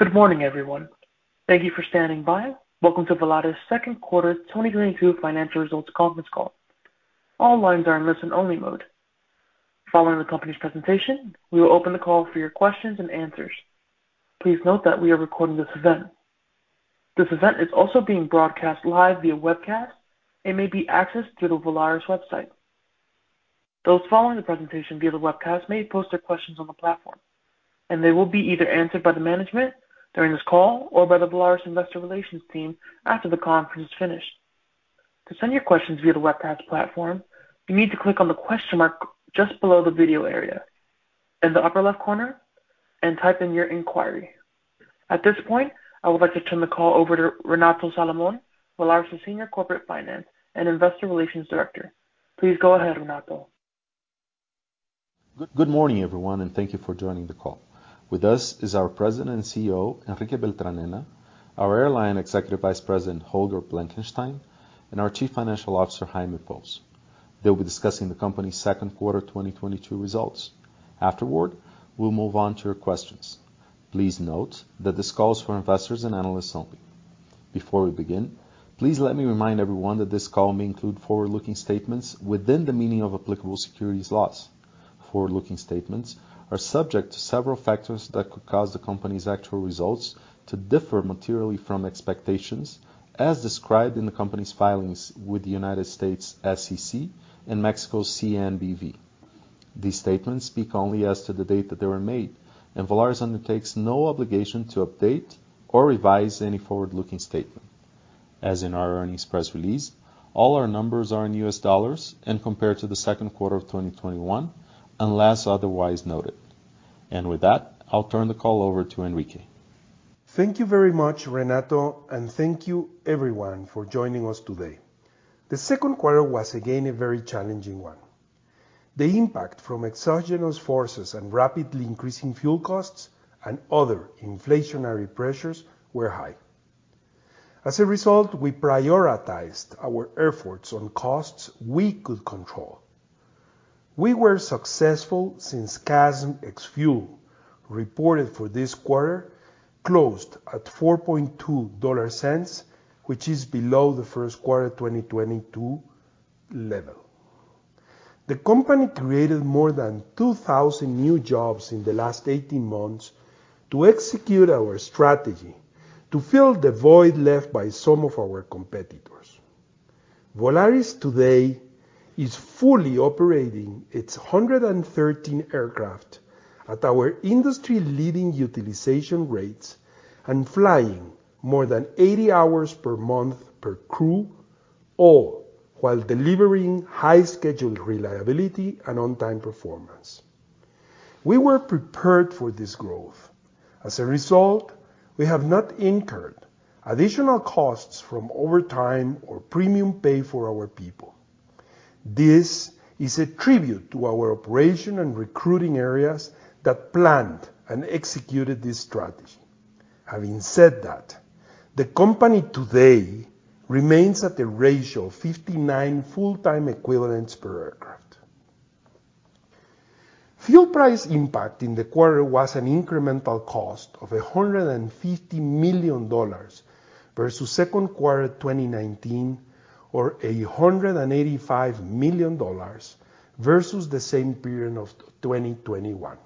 Good morning, everyone. Thank you for standing by. Welcome to Volaris second quarter 2022 financial results conference call. All lines are in listen-only mode. Following the company's presentation, we will open the call for your questions and answers. Please note that we are recording this event. This event is also being broadcast live via webcast, and may be accessed through the Volaris website. Those following the presentation via the webcast may post their questions on the platform, and they will be either answered by the management during this call or by the Volaris investor relations team after the conference is finished. To send your questions via the webcast platform, you need to click on the question mark just below the video area in the upper left corner and type in your inquiry. At this point, I would like to turn the call over to Renato Salomone, Volaris' Senior Director, Corporate Finance & Investor Relations. Please go ahead, Renato. Good morning, everyone, and thank you for joining the call. With us is our President and CEO, Enrique Beltranena, our Executive Vice President, Holger Blankenstein, and our Chief Financial Officer, Jaime Pous. They will be discussing the company's second quarter 2022 results. Afterward, we will move on to your questions. Please note that this call is for investors and analysts only. Before we begin, please let me remind everyone that this call may include forward-looking statements within the meaning of applicable securities laws. Forward-looking statements are subject to several factors that could cause the company's actual results to differ materially from expectations as described in the company's filings with the U.S. SEC and Mexico CNBV. These statements speak only as to the date that they were made, and Volaris undertakes no obligation to update or revise any forward-looking statement. As in our earnings press release, all our numbers are in U.S. dollars and compared to the second quarter of 2021, unless otherwise noted. With that, I'll turn the call over to Enrique. Thank you very much, Renato, and thank you everyone for joining us today. The second quarter was again a very challenging one. The impact from exogenous forces and rapidly increasing fuel costs and other inflationary pressures were high. As a result, we prioritized our efforts on costs we could control. We were successful since CASM ex-fuel reported for this quarter closed at $0.042, which is below the first quarter 2022 level. The company created more than 2,000 new jobs in the last 18 months to execute our strategy to fill the void left by some of our competitors. Volaris today is fully operating its 113 aircraft at our industry-leading utilization rates and flying more than 80 hours per month per crew, all while delivering high schedule reliability and on-time performance. We were prepared for this growth. As a result, we have not incurred additional costs from overtime or premium pay for our people. This is a tribute to our operation and recruiting areas that planned and executed this strategy. Having said that, the company today remains at a ratio of 59 full-time equivalents per aircraft. Fuel price impact in the quarter was an incremental cost of $150 million versus second quarter 2019 or $185 million versus the same period of 2021.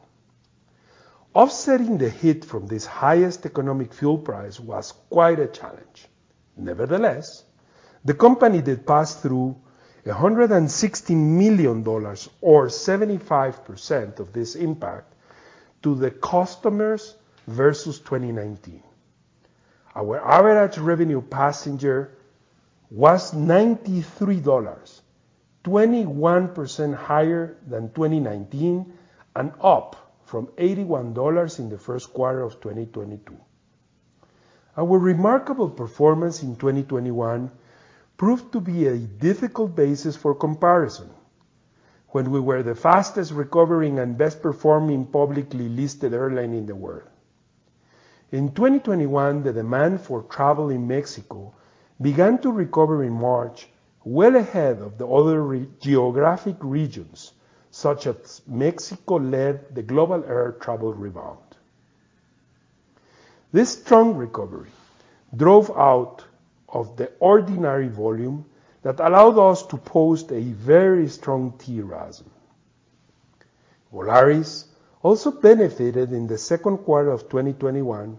Offsetting the hit from this highest economic fuel price was quite a challenge. Nevertheless, the company did pass through $160 million or 75% of this impact to the customers versus 2019. Our average revenue passenger was $93, 21% higher than 2019, and up from $81 in the first quarter of 2022. Our remarkable performance in 2021 proved to be a difficult basis for comparison when we were the fastest-recovering and best-performing publicly listed airline in the world. In 2021, the demand for travel in Mexico began to recover in March, well ahead of the other geographic regions. Mexico led the global air travel rebound. This strong recovery drove out of the ordinary volume that allowed us to post a very strong TRASM. Volaris also benefited in the second quarter of 2021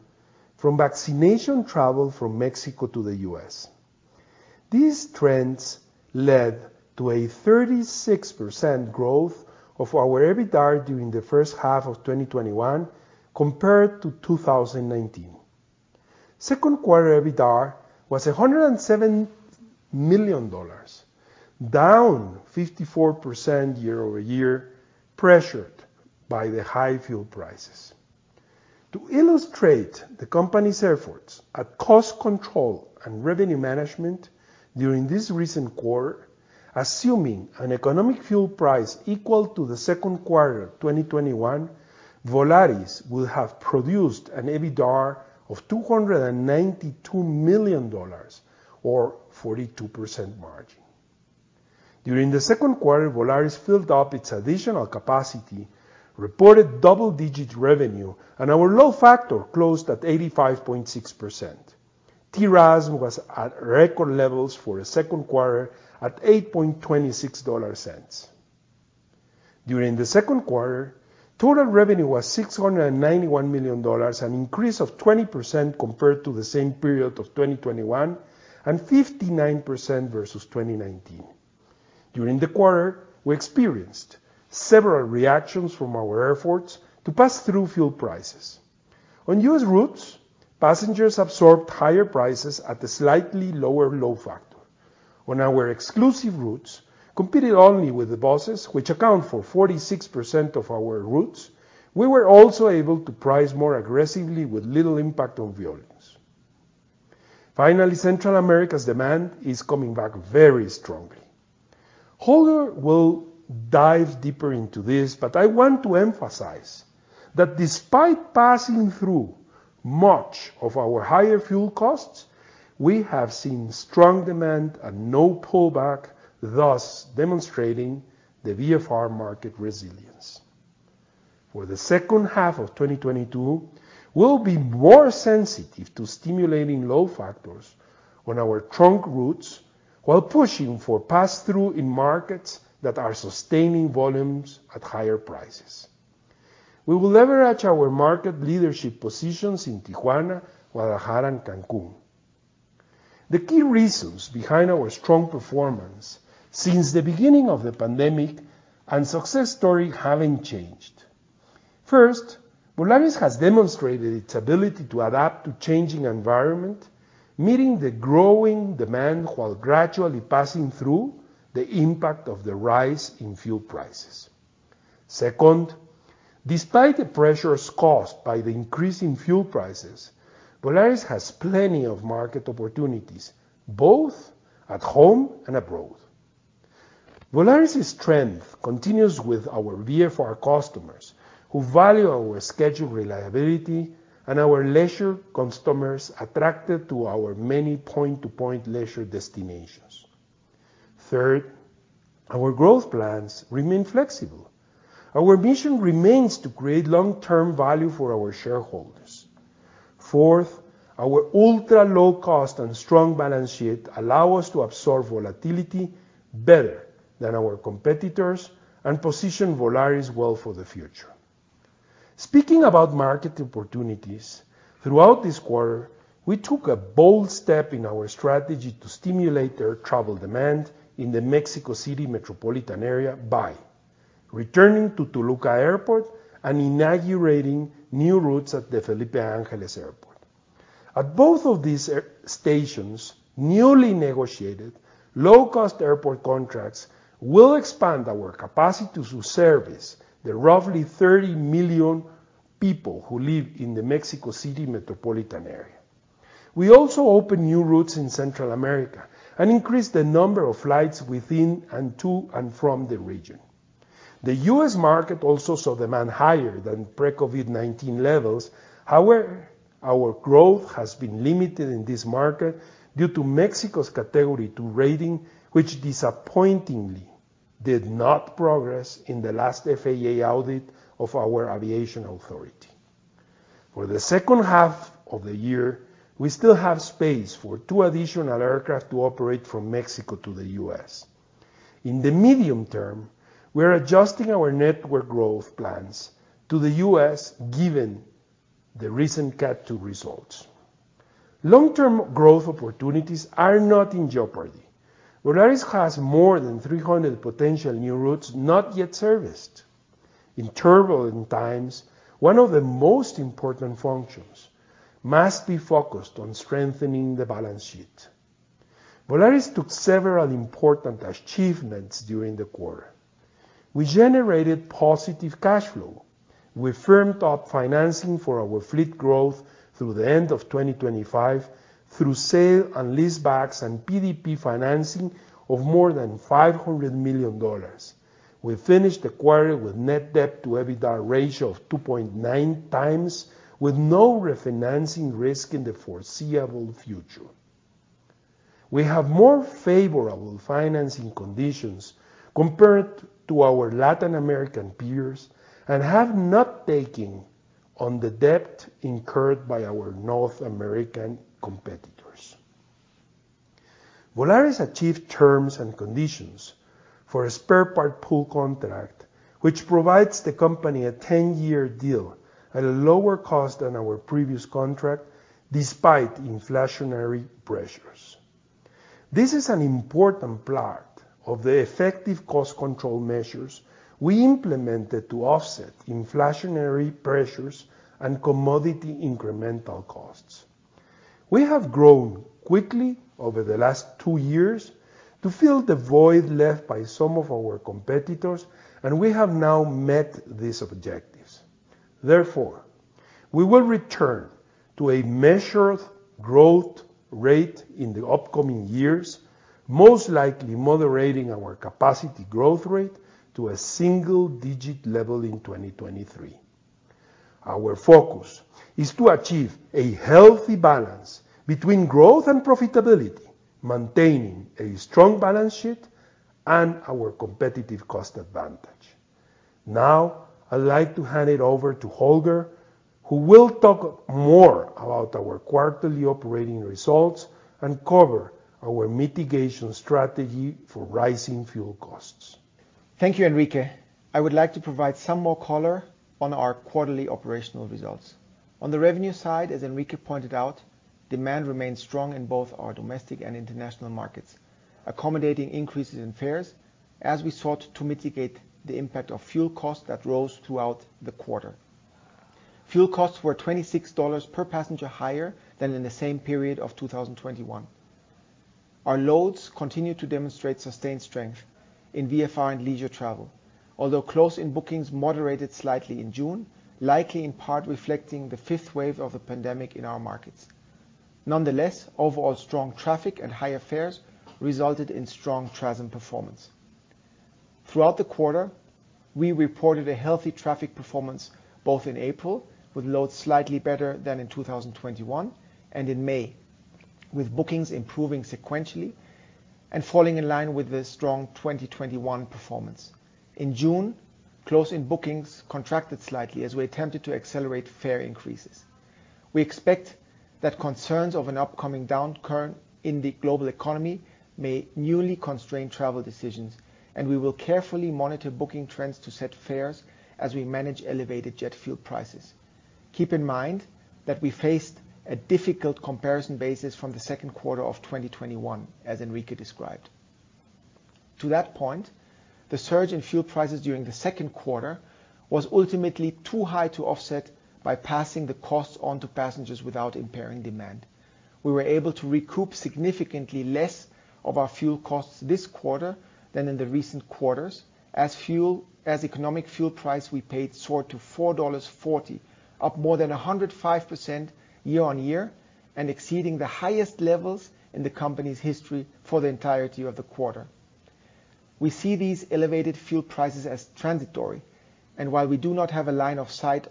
from vacation travel from Mexico to the U.S. These trends led to a 36% growth of our EBITDAR during the first half of 2021 compared to 2019. Second quarter EBITDAR was $107 million, down 54% year-over-year, pressured by the high fuel prices. To illustrate the company's efforts at cost control and revenue management during this recent quarter, assuming an economic fuel price equal to the second quarter 2021, Volaris will have produced an EBITDAR of $292 million or 42% margin. During the second quarter, Volaris filled up its additional capacity, reported double-digit revenue, and our load factor closed at 85.6%. TRASM was at record levels for a second quarter at 8.26 cents. During the second quarter, total revenue was $691 million, an increase of 20% compared to the same period of 2021, and 59% versus 2019. During the quarter, we experienced several reactions from our airports to pass through fuel prices. On U.S. routes, passengers absorbed higher prices at a slightly lower load factor. On our exclusive routes, competed only with the buses, which account for 46% of our routes, we were also able to price more aggressively with little impact on volumes. Finally, Central America's demand is coming back very strongly. Holger will dive deeper into this, but I want to emphasize that despite passing through much of our higher fuel costs, we have seen strong demand and no pullback, thus demonstrating the VFR market resilience. For the second half of 2022, we'll be more sensitive to stimulating low fares on our trunk routes while pushing for pass-through in markets that are sustaining volumes at higher prices. We will leverage our market leadership positions in Tijuana, Guadalajara, and Cancun. The key reasons behind our strong performance since the beginning of the pandemic and success story haven't changed. First, Volaris has demonstrated its ability to adapt to changing environment, meeting the growing demand while gradually passing through the impact of the rise in fuel prices. Second, despite the pressures caused by the increase in fuel prices, Volaris has plenty of market opportunities, both at home and abroad. Volaris' strength continues with our VFR customers who value our schedule reliability and our leisure customers attracted to our many point-to-point leisure destinations. Third, our growth plans remain flexible. Our mission remains to create long-term value for our shareholders. Fourth, our ultra-low cost and strong balance sheet allow us to absorb volatility better than our competitors and position Volaris well for the future. Speaking about market opportunities, throughout this quarter, we took a bold step in our strategy to stimulate air travel demand in the Mexico City metropolitan area by returning to Toluca Airport and inaugurating new routes at the Felipe Ángeles Airport. At both of these airports, newly negotiated low-cost airport contracts will expand our capacity to service the roughly 30 million people who live in the Mexico City metropolitan area. We also opened new routes in Central America and increased the number of flights within and to and from the region. The U.S. market also saw demand higher than pre-COVID-19 levels. However, our growth has been limited in this market due to Mexico's Category 2 rating, which disappointingly did not progress in the last FAA audit of our aviation authority. For the second half of the year, we still have space for 2 additional aircraft to operate from Mexico to the US. In the medium term, we are adjusting our network growth plans to the US given the recent Cat Two results. Long-term growth opportunities are not in jeopardy. Volaris has more than 300 potential new routes not yet serviced. In turbulent times, one of the most important functions must be focused on strengthening the balance sheet. Volaris took several important achievements during the quarter. We generated positive cash flow. We firmed up financing for our fleet growth through the end of 2025 through sale and leasebacks and PDP financing of more than $500 million. We finished the quarter with net debt to EBITDA ratio of 2.9x with no refinancing risk in the foreseeable future. We have more favorable financing conditions compared to our Latin American peers and have not taken on the debt incurred by our North American competitors. Volaris achieved terms and conditions for a spare part pool contract, which provides the company a 10-year deal at a lower cost than our previous contract despite inflationary pressures. This is an important part of the effective cost control measures we implemented to offset inflationary pressures and commodity incremental costs. We have grown quickly over the last two years to fill the void left by some of our competitors, and we have now met these objectives. Therefore, we will return to a measured growth rate in the upcoming years, most likely moderating our capacity growth rate to a single-digit level in 2023. Our focus is to achieve a healthy balance between growth and profitability, maintaining a strong balance sheet and our competitive cost advantage. Now, I'd like to hand it over to Holger, who will talk more about our quarterly operating results and cover our mitigation strategy for rising fuel costs. Thank you, Enrique. I would like to provide some more color on our quarterly operational results. On the revenue side, as Enrique pointed out, demand remains strong in both our domestic and international markets, accommodating increases in fares as we sought to mitigate the impact of fuel costs that rose throughout the quarter. Fuel costs were $26 per passenger higher than in the same period of 2021. Our loads continued to demonstrate sustained strength in VFR and leisure travel. Although close-in bookings moderated slightly in June, likely in part reflecting the fifth wave of the pandemic in our markets. Nonetheless, overall strong traffic and higher fares resulted in strong TRASM performance. Throughout the quarter, we reported a healthy traffic performance, both in April, with loads slightly better than in 2021, and in May, with bookings improving sequentially and falling in line with the strong 2021 performance. In June, close-in bookings contracted slightly as we attempted to accelerate fare increases. We expect that concerns of an upcoming downturn in the global economy may newly constrain travel decisions, and we will carefully monitor booking trends to set fares as we manage elevated jet fuel prices. Keep in mind that we faced a difficult comparison basis from the second quarter of 2021, as Enrique described. To that point, the surge in fuel prices during the second quarter was ultimately too high to offset by passing the costs on to passengers without impairing demand. We were able to recoup significantly less of our fuel costs this quarter than in the recent quarters. As economic fuel price we paid soared to $4.40, up more than 105% year-on-year and exceeding the highest levels in the company's history for the entirety of the quarter. We see these elevated fuel prices as transitory, and while we do not have a line of sight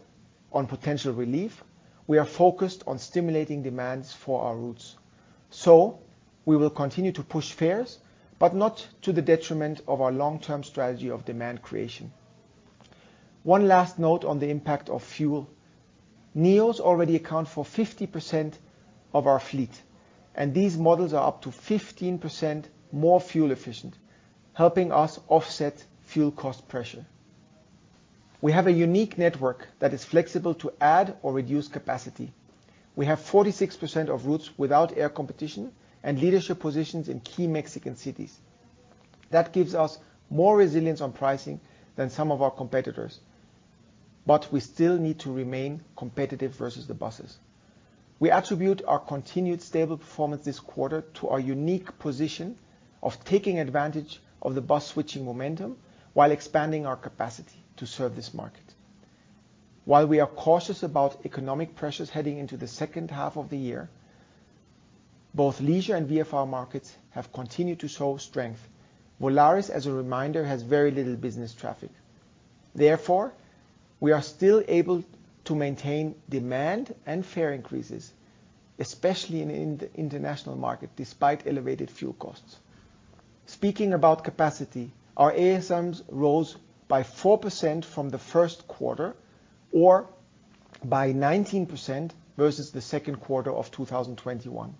on potential relief, we are focused on stimulating demands for our routes. We will continue to push fares, but not to the detriment of our long-term strategy of demand creation. One last note on the impact of fuel. NEOs already account for 50% of our fleet, and these models are up to 15% more fuel efficient, helping us offset fuel cost pressure. We have a unique network that is flexible to add or reduce capacity. We have 46% of routes without air competition and leadership positions in key Mexican cities. That gives us more resilience on pricing than some of our competitors, but we still need to remain competitive versus the buses. We attribute our continued stable performance this quarter to our unique position of taking advantage of the bus switching momentum while expanding our capacity to serve this market. While we are cautious about economic pressures heading into the second half of the year, both leisure and VFR markets have continued to show strength. Volaris, as a reminder, has very little business traffic. Therefore, we are still able to maintain demand and fare increases, especially in international market, despite elevated fuel costs. Speaking about capacity, our ASMs rose by 4% from the first quarter, or by 19% versus the second quarter of 2021.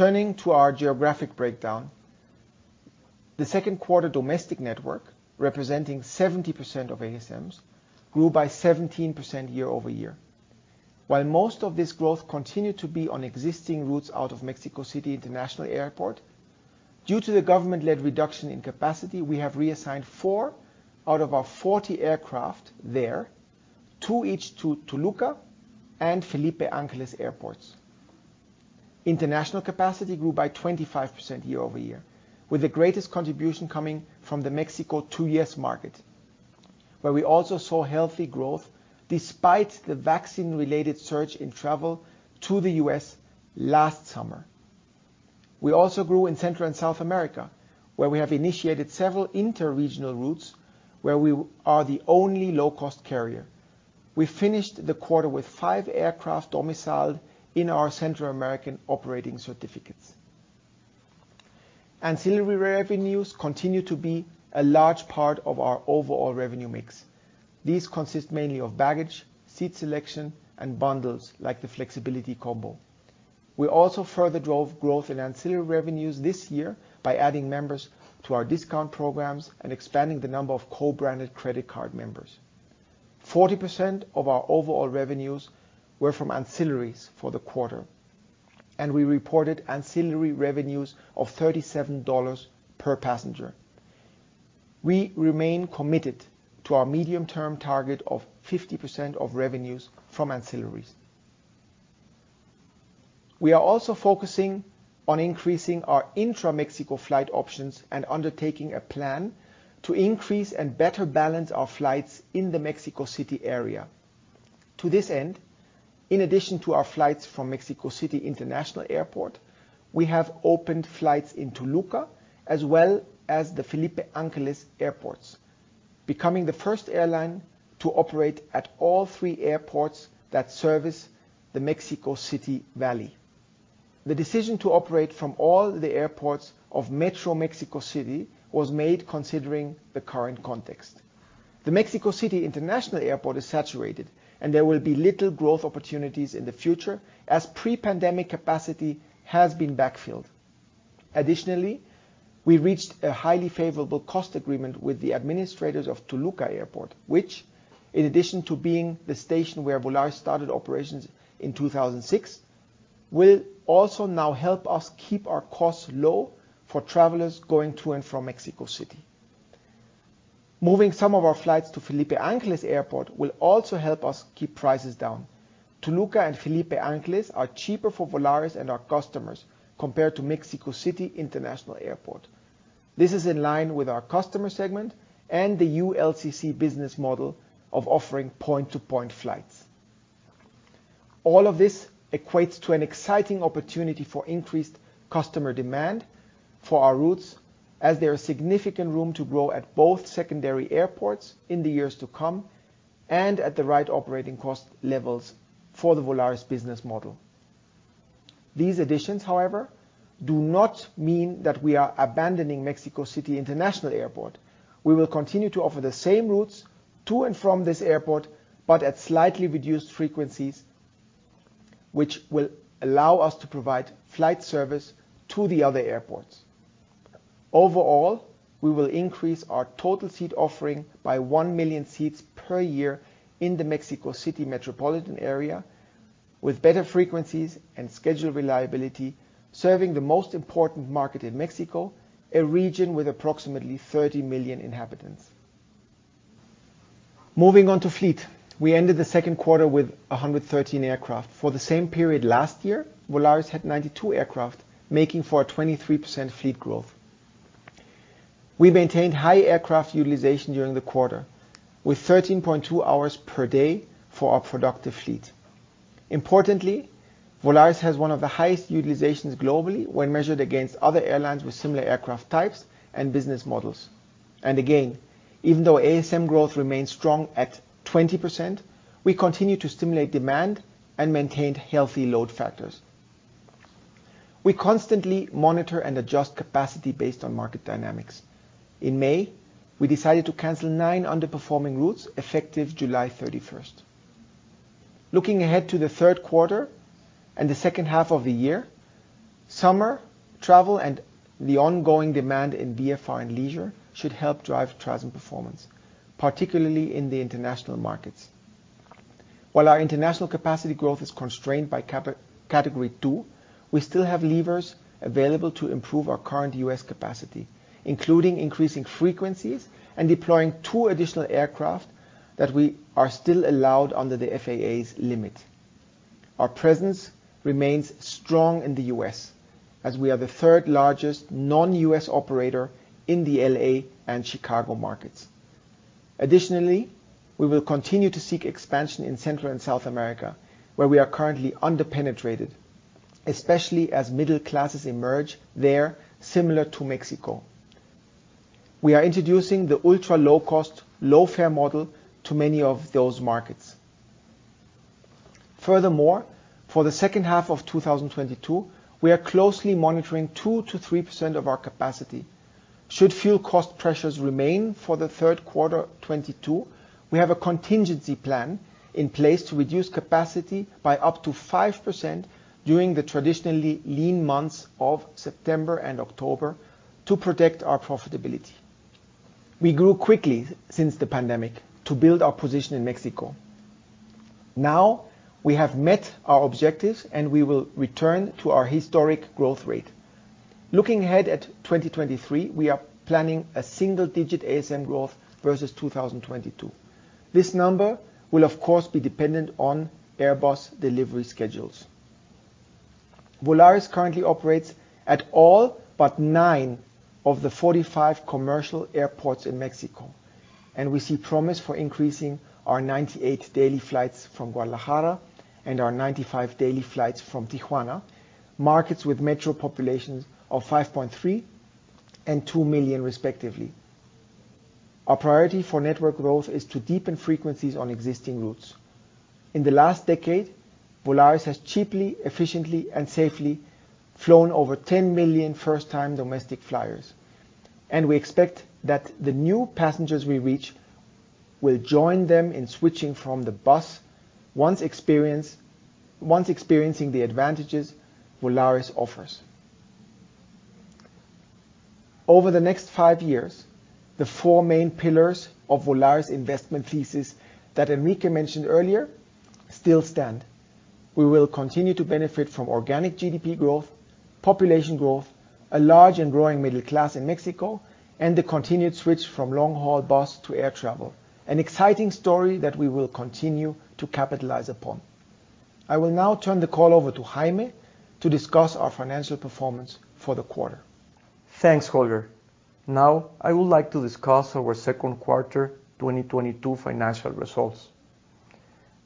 Turning to our geographic breakdown, the second quarter domestic network, representing 70% of ASMs, grew by 17% year-over-year. While most of this growth continued to be on existing routes out of Mexico City International Airport, due to the government-led reduction in capacity, we have reassigned 4 out of our 40 aircraft there, 2 each to Toluca and Felipe Ángeles airports. International capacity grew by 25% year-over-year, with the greatest contribution coming from the Mexico to U.S. market, where we also saw healthy growth despite the vaccine-related surge in travel to the U.S. last summer. We also grew in Central and South America, where we have initiated several interregional routes where we are the only low-cost carrier. We finished the quarter with five aircraft domiciled in our Central American operating certificates. Ancillary revenues continue to be a large part of our overall revenue mix. These consist mainly of baggage, seat selection, and bundles, like the Flexibility Combo. We also further drove growth in ancillary revenues this year by adding members to our discount programs and expanding the number of co-branded credit card members. 40% of our overall revenues were from ancillaries for the quarter, and we reported ancillary revenues of $37 per passenger. We remain committed to our medium-term target of 50% of revenues from ancillaries. We are also focusing on increasing our intra-Mexico flight options and undertaking a plan to increase and better balance our flights in the Mexico City area. To this end. In addition to our flights from Mexico City International Airport, we have opened flights in Toluca as well as the Felipe Ángeles Airport, becoming the first airline to operate at all three airports that service the Mexico City Valley. The decision to operate from all the airports of Metro Mexico City was made considering the current context. The Mexico City International Airport is saturated, and there will be little growth opportunities in the future as pre-pandemic capacity has been backfilled. Additionally, we reached a highly favorable cost agreement with the administrators of Toluca Airport, which in addition to being the station where Volaris started operations in 2006, will also now help us keep our costs low for travelers going to and from Mexico City. Moving some of our flights to Felipe Ángeles Airport will also help us keep prices down. Toluca and Felipe Ángeles are cheaper for Volaris and our customers compared to Mexico City International Airport. This is in line with our customer segment and the ULCC business model of offering point-to-point flights. All of this equates to an exciting opportunity for increased customer demand for our routes as there are significant room to grow at both secondary airports in the years to come and at the right operating cost levels for the Volaris business model. These additions, however, do not mean that we are abandoning Mexico City International Airport. We will continue to offer the same routes to and from this airport, but at slightly reduced frequencies, which will allow us to provide flight service to the other airports. Overall, we will increase our total seat offering by 1 million seats per year in the Mexico City metropolitan area with better frequencies and schedule reliability, serving the most important market in Mexico, a region with approximately 30 million inhabitants. Moving on to fleet, we ended the second quarter with 113 aircraft. For the same period last year, Volaris had 92 aircraft, making for a 23% fleet growth. We maintained high aircraft utilization during the quarter with 13.2 hours per day for our productive fleet. Importantly, Volaris has one of the highest utilizations globally when measured against other airlines with similar aircraft types and business models. Again, even though ASM growth remains strong at 20%, we continue to stimulate demand and maintained healthy load factors. We constantly monitor and adjust capacity based on market dynamics. In May, we decided to cancel 9 underperforming routes effective July 31st. Looking ahead to the third quarter and the second half of the year, summer travel and the ongoing demand in VFR and leisure should help drive traffic performance, particularly in the international markets. While our international capacity growth is constrained by Category 2, we still have levers available to improve our current U.S. capacity, including increasing frequencies and deploying 2 additional aircraft that we are still allowed under the FAA's limit. Our presence remains strong in the U.S. as we are the third-largest non-U.S. operator in the L.A. and Chicago markets. Additionally, we will continue to seek expansion in Central and South America, where we are currently under-penetrated, especially as middle classes emerge there similar to Mexico. We are introducing the ultra-low-cost low-fare model to many of those markets. Furthermore, for the second half of 2022, we are closely monitoring 2%-3% of our capacity. Should fuel cost pressures remain for the third quarter 2022, we have a contingency plan in place to reduce capacity by up to 5% during the traditionally lean months of September and October to protect our profitability. We grew quickly since the pandemic to build our position in Mexico. Now, we have met our objectives, and we will return to our historic growth rate. Looking ahead at 2023, we are planning a single-digit ASM growth versus 2022. This number will of course be dependent on Airbus delivery schedules. Volaris currently operates at all but 9 of the 45 commercial airports in Mexico, and we see promise for increasing our 98 daily flights from Guadalajara and our 95 daily flights from Tijuana, markets with metro populations of 5.3 and 2 million respectively. Our priority for network growth is to deepen frequencies on existing routes. In the last decade, Volaris has cheaply, efficiently, and safely flown over 10 million first-time domestic flyers, and we expect that the new passengers we reach will join them in switching from the bus once experiencing the advantages Volaris offers. Over the next 5 years, the 4 main pillars of Volaris investment thesis that Enrique mentioned earlier still stand. We will continue to benefit from organic GDP growth, population growth, a large and growing middle class in Mexico, and the continued switch from long-haul bus to air travel, an exciting story that we will continue to capitalize upon. I will now turn the call over to Jaime to discuss our financial performance for the quarter. Thanks, Holger. Now I would like to discuss our second quarter 2022 financial results.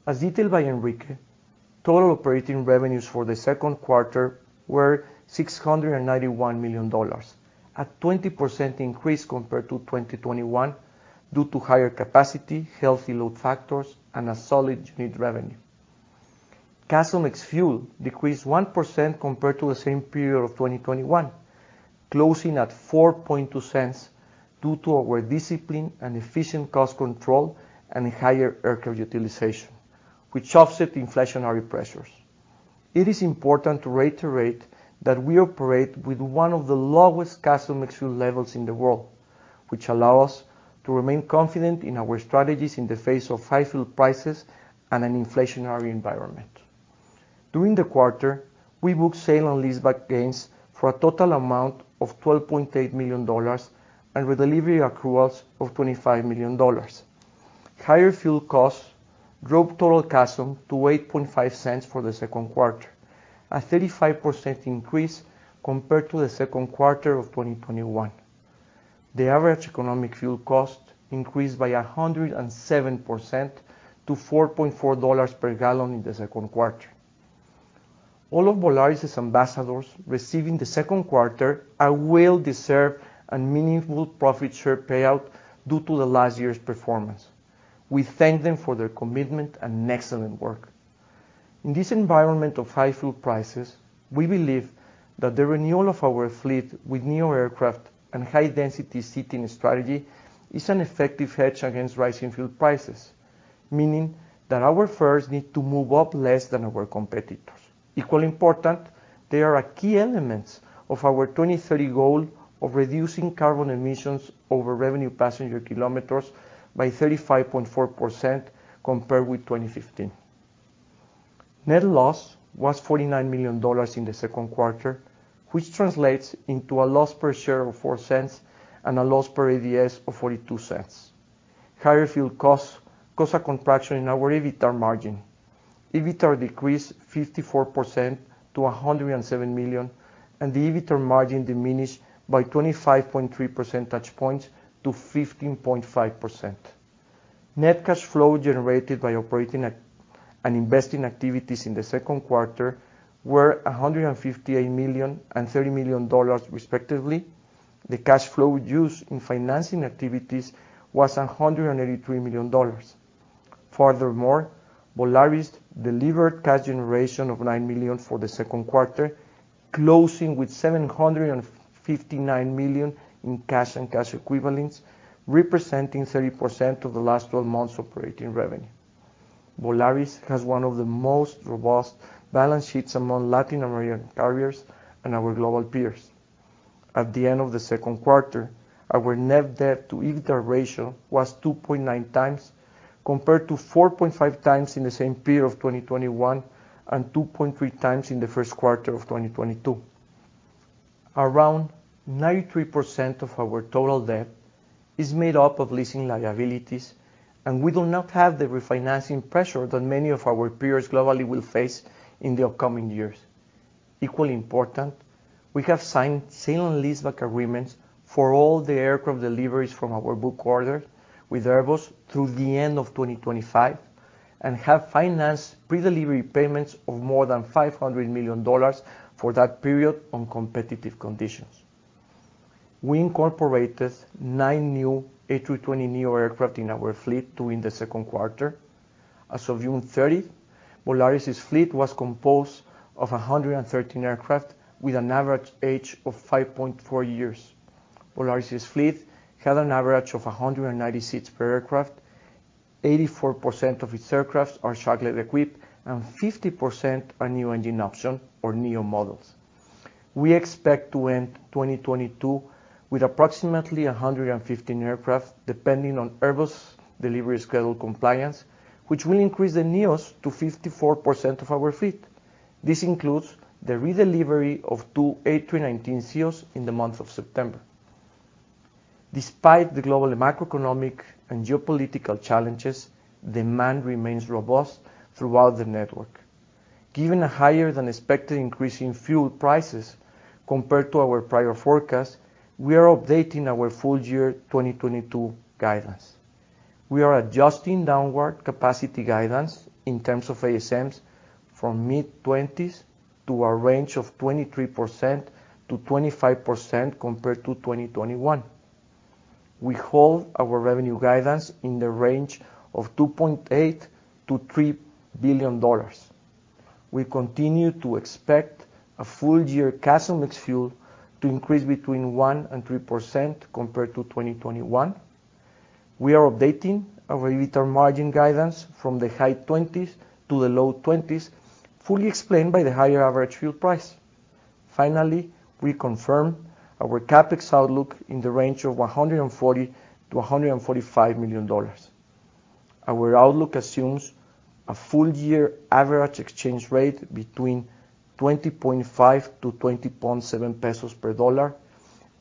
As detailed by Enrique, total operating revenues for the second quarter were $691 million, a 20% increase compared to 2021 due to higher capacity, healthy load factors, and a solid unit revenue. CASM ex-fuel decreased 1% compared to the same period of 2021, closing at 4.2 cents due to our discipline and efficient cost control and higher aircraft utilization, which offset inflationary pressures. It is important to reiterate that we operate with one of the lowest CASM ex-fuel levels in the world, which allow us to remain confident in our strategies in the face of high fuel prices and an inflationary environment. During the quarter, we booked sale and leaseback gains for a total amount of $12.8 million and redelivery accruals of $25 million. Higher fuel costs drove total CASM to 8.5 cents for the second quarter, a 35% increase compared to the second quarter of 2021. The average economic fuel cost increased by 107% to $4.4 per gallon in the second quarter. All of Volaris' ambassadors receiving the second quarter, a well-deserved and meaningful profit share payout due to the last year's performance. We thank them for their commitment and excellent work. In this environment of high fuel prices, we believe that the renewal of our fleet with neo aircraft and high-density seating strategy is an effective hedge against rising fuel prices, meaning that our fares need to move up less than our competitors. Equally important, they are key elements of our 2030 goal of reducing carbon emissions over revenue passenger kilometers by 35.4% compared with 2015. Net loss was $49 million in the second quarter, which translates into a loss per share of $0.04 and a loss per ADS of $0.42. Higher fuel costs cause a contraction in our EBITDA margin. EBITDA decreased 54% to $107 million, and the EBITDA margin diminished by 25.3 percentage points to 15.5%. Net cash flow generated by operating and investing activities in the second quarter were $158 million and $30 million, respectively. The cash flow used in financing activities was $183 million. Volaris delivered cash generation of $9 million for the second quarter, closing with $759 million in cash and cash equivalents, representing 30% of the last twelve months operating revenue. Volaris has one of the most robust balance sheets among Latin American carriers and our global peers. At the end of the second quarter, our net debt to EBITDA ratio was 2.9x, compared to 4.5x in the same period of 2021, and 2.3x in the first quarter of 2022. Around 93% of our total debt is made up of leasing liabilities, and we do not have the refinancing pressure that many of our peers globally will face in the upcoming years. Equally important, we have signed sale and leaseback agreements for all the aircraft deliveries from our book orders with Airbus through the end of 2025 and have financed predelivery payments of more than $500 million for that period on competitive conditions. We incorporated 9 new A320neo aircraft in our fleet during the second quarter. As of June 30, Volaris' fleet was composed of 113 aircraft with an average age of 5.4 years. Volaris' fleet had an average of 190 seats per aircraft. 84% of its aircraft are Sharklet equipped, and 50% are new engine option or neo models. We expect to end 2022 with approximately 115 aircraft, depending on Airbus delivery schedule compliance, which will increase the neos to 54% of our fleet. This includes the redelivery of 2 A319ceos in the month of September. Despite the global macroeconomic and geopolitical challenges, demand remains robust throughout the network. Given a higher than expected increase in fuel prices compared to our prior forecast, we are updating our full-year 2022 guidance. We are adjusting downward capacity guidance in terms of ASMs from mid-20s% to a range of 23%-25% compared to 2021. We hold our revenue guidance in the range of $2.8-$3 billion. We continue to expect a full-year CASM ex-fuel to increase between 1%-3% compared to 2021. We are updating our EBITDA margin guidance from the high 20s% to the low 20s%, fully explained by the higher average fuel price. Finally, we confirm our CapEx outlook in the range of $140 million-$145 million. Our outlook assumes a full-year average exchange rate between 20.5-20.7 pesos per dollar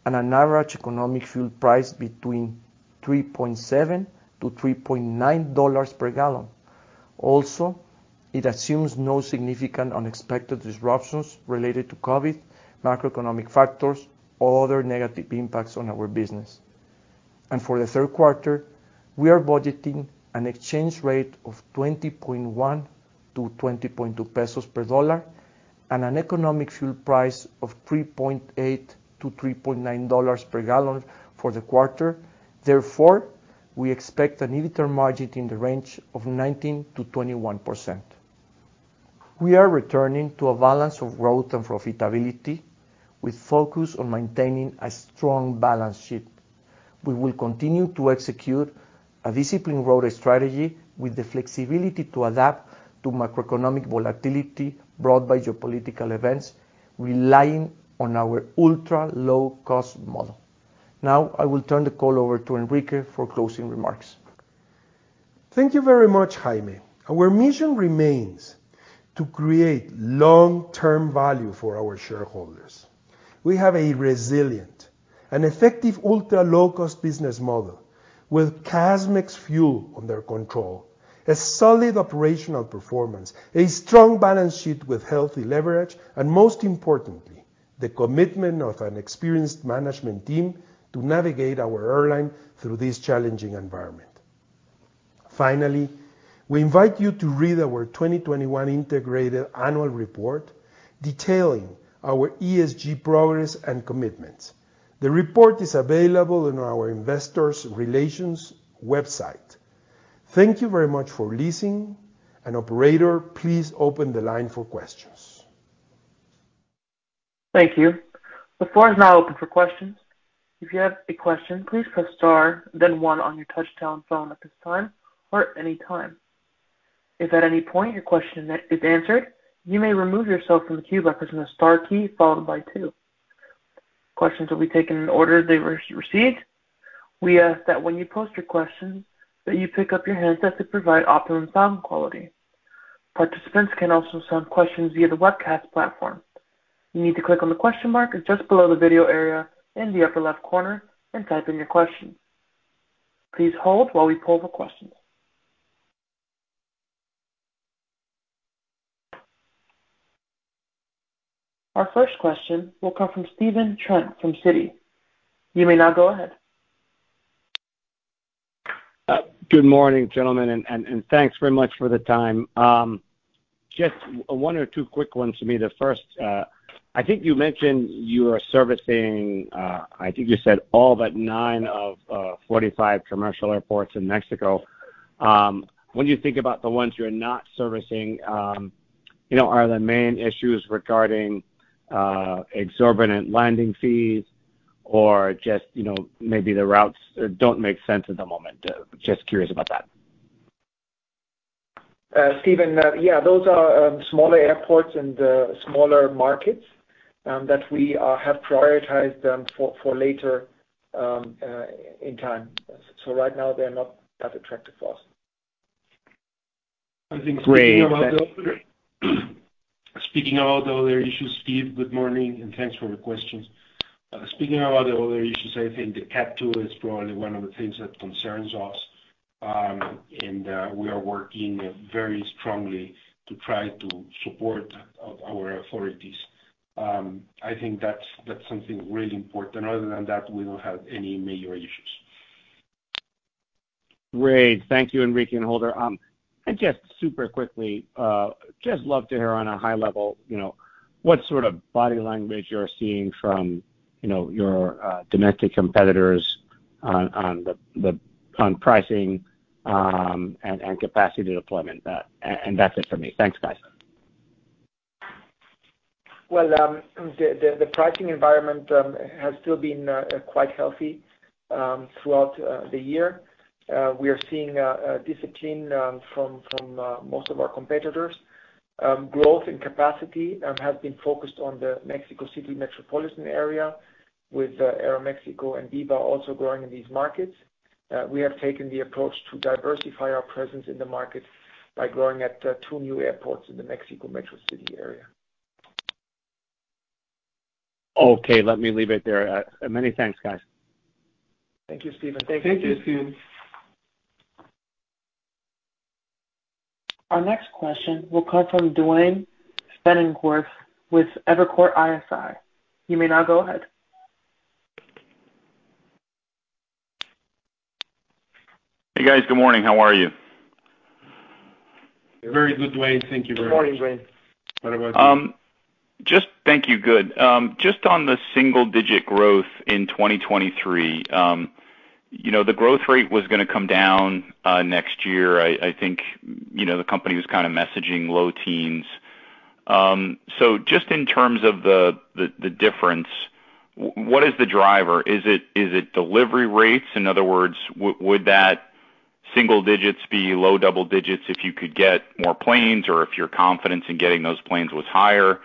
and an average economic fuel price between $3.7-$3.9 per gallon. Also, it assumes no significant unexpected disruptions related to COVID, macroeconomic factors, or other negative impacts on our business. For the third quarter, we are budgeting an exchange rate of 20.1-20.2 pesos per dollar and an economic fuel price of $3.8-$3.9 per gallon for the quarter. Therefore, we expect an EBITDA margin in the range of 19%-21%. We are returning to a balance of growth and profitability with focus on maintaining a strong balance sheet. We will continue to execute a disciplined growth strategy with the flexibility to adapt to macroeconomic volatility brought by geopolitical events, relying on our ultra-low-cost model. Now, I will turn the call over to Enrique for closing remarks. Thank you very much, Jaime. Our mission remains to create long-term value for our shareholders. We have a resilient and effective ultra-low-cost business model with CASM ex fuel under control, a solid operational performance, a strong balance sheet with healthy leverage, and most importantly, the commitment of an experienced management team to navigate our airline through this challenging environment. Finally, we invite you to read our 2021 integrated annual report detailing our ESG progress and commitments. The report is available on our investor relations website. Thank you very much for listening. Operator, please open the line for questions. Thank you. The floor is now open for questions. If you have a question, please press star then one on your touch-tone phone at this time or at any time. If at any point your question is answered, you may remove yourself from the queue by pressing the star key followed by two. Questions will be taken in the order they were received. We ask that when you pose your question, that you pick up your handset to provide optimum sound quality. Participants can also send questions via the webcast platform. You need to click on the question mark just below the video area in the upper left corner and type in your question. Please hold while we poll the questions. Our first question will come from Stephen Trent from Citi. You may now go ahead. Good morning, gentlemen, and thanks very much for the time. Just one or two quick ones for me. The first, I think you mentioned you are servicing, I think you said all but 9 of 45 commercial airports in Mexico. When you think about the ones you're not servicing, you know, are the main issues regarding exorbitant landing fees or just, you know, maybe the routes don't make sense at the moment? Just curious about that. Stephen, yeah, those are smaller airports and smaller markets that we have prioritized for later in time. Right now they are not that attractive for us. Great. Speaking about the other issues, Steve, good morning, and thanks for the questions. I think the Category 2 is probably one of the things that concerns us, and we are working very strongly to try to support our authorities. I think that's something really important. Other than that, we don't have any major issues. Great. Thank you, Enrique and Holger. Just super quickly, I'd love to hear on a high level, you know, what sort of body language you're seeing from, you know, your domestic competitors on pricing and capacity deployment. That's it for me. Thanks, guys. Well, the pricing environment has still been quite healthy throughout the year. We are seeing discipline from most of our competitors. Growth and capacity have been focused on the Mexico City metropolitan area with Aeroméxico and Viva also growing in these markets. We have taken the approach to diversify our presence in the market by growing at two new airports in the Mexico City metropolitan area. Okay, let me leave it there. Many thanks, guys. Thank you, Stephen. Thank you. Our next question will come from Duane Pfennigwerth with Evercore ISI. You may now go ahead. Hey, guys. Good morning. How are you? Very good, Duane. Thank you very much. Morning, Duane. Just on the single-digit% growth in 2023, you know, the growth rate was gonna come down next year. I think, you know, the company was kind of messaging low teens%. Just in terms of the difference, what is the driver? Is it delivery rates? In other words, would that single digits be low double digits if you could get more planes or if your confidence in getting those planes was higher?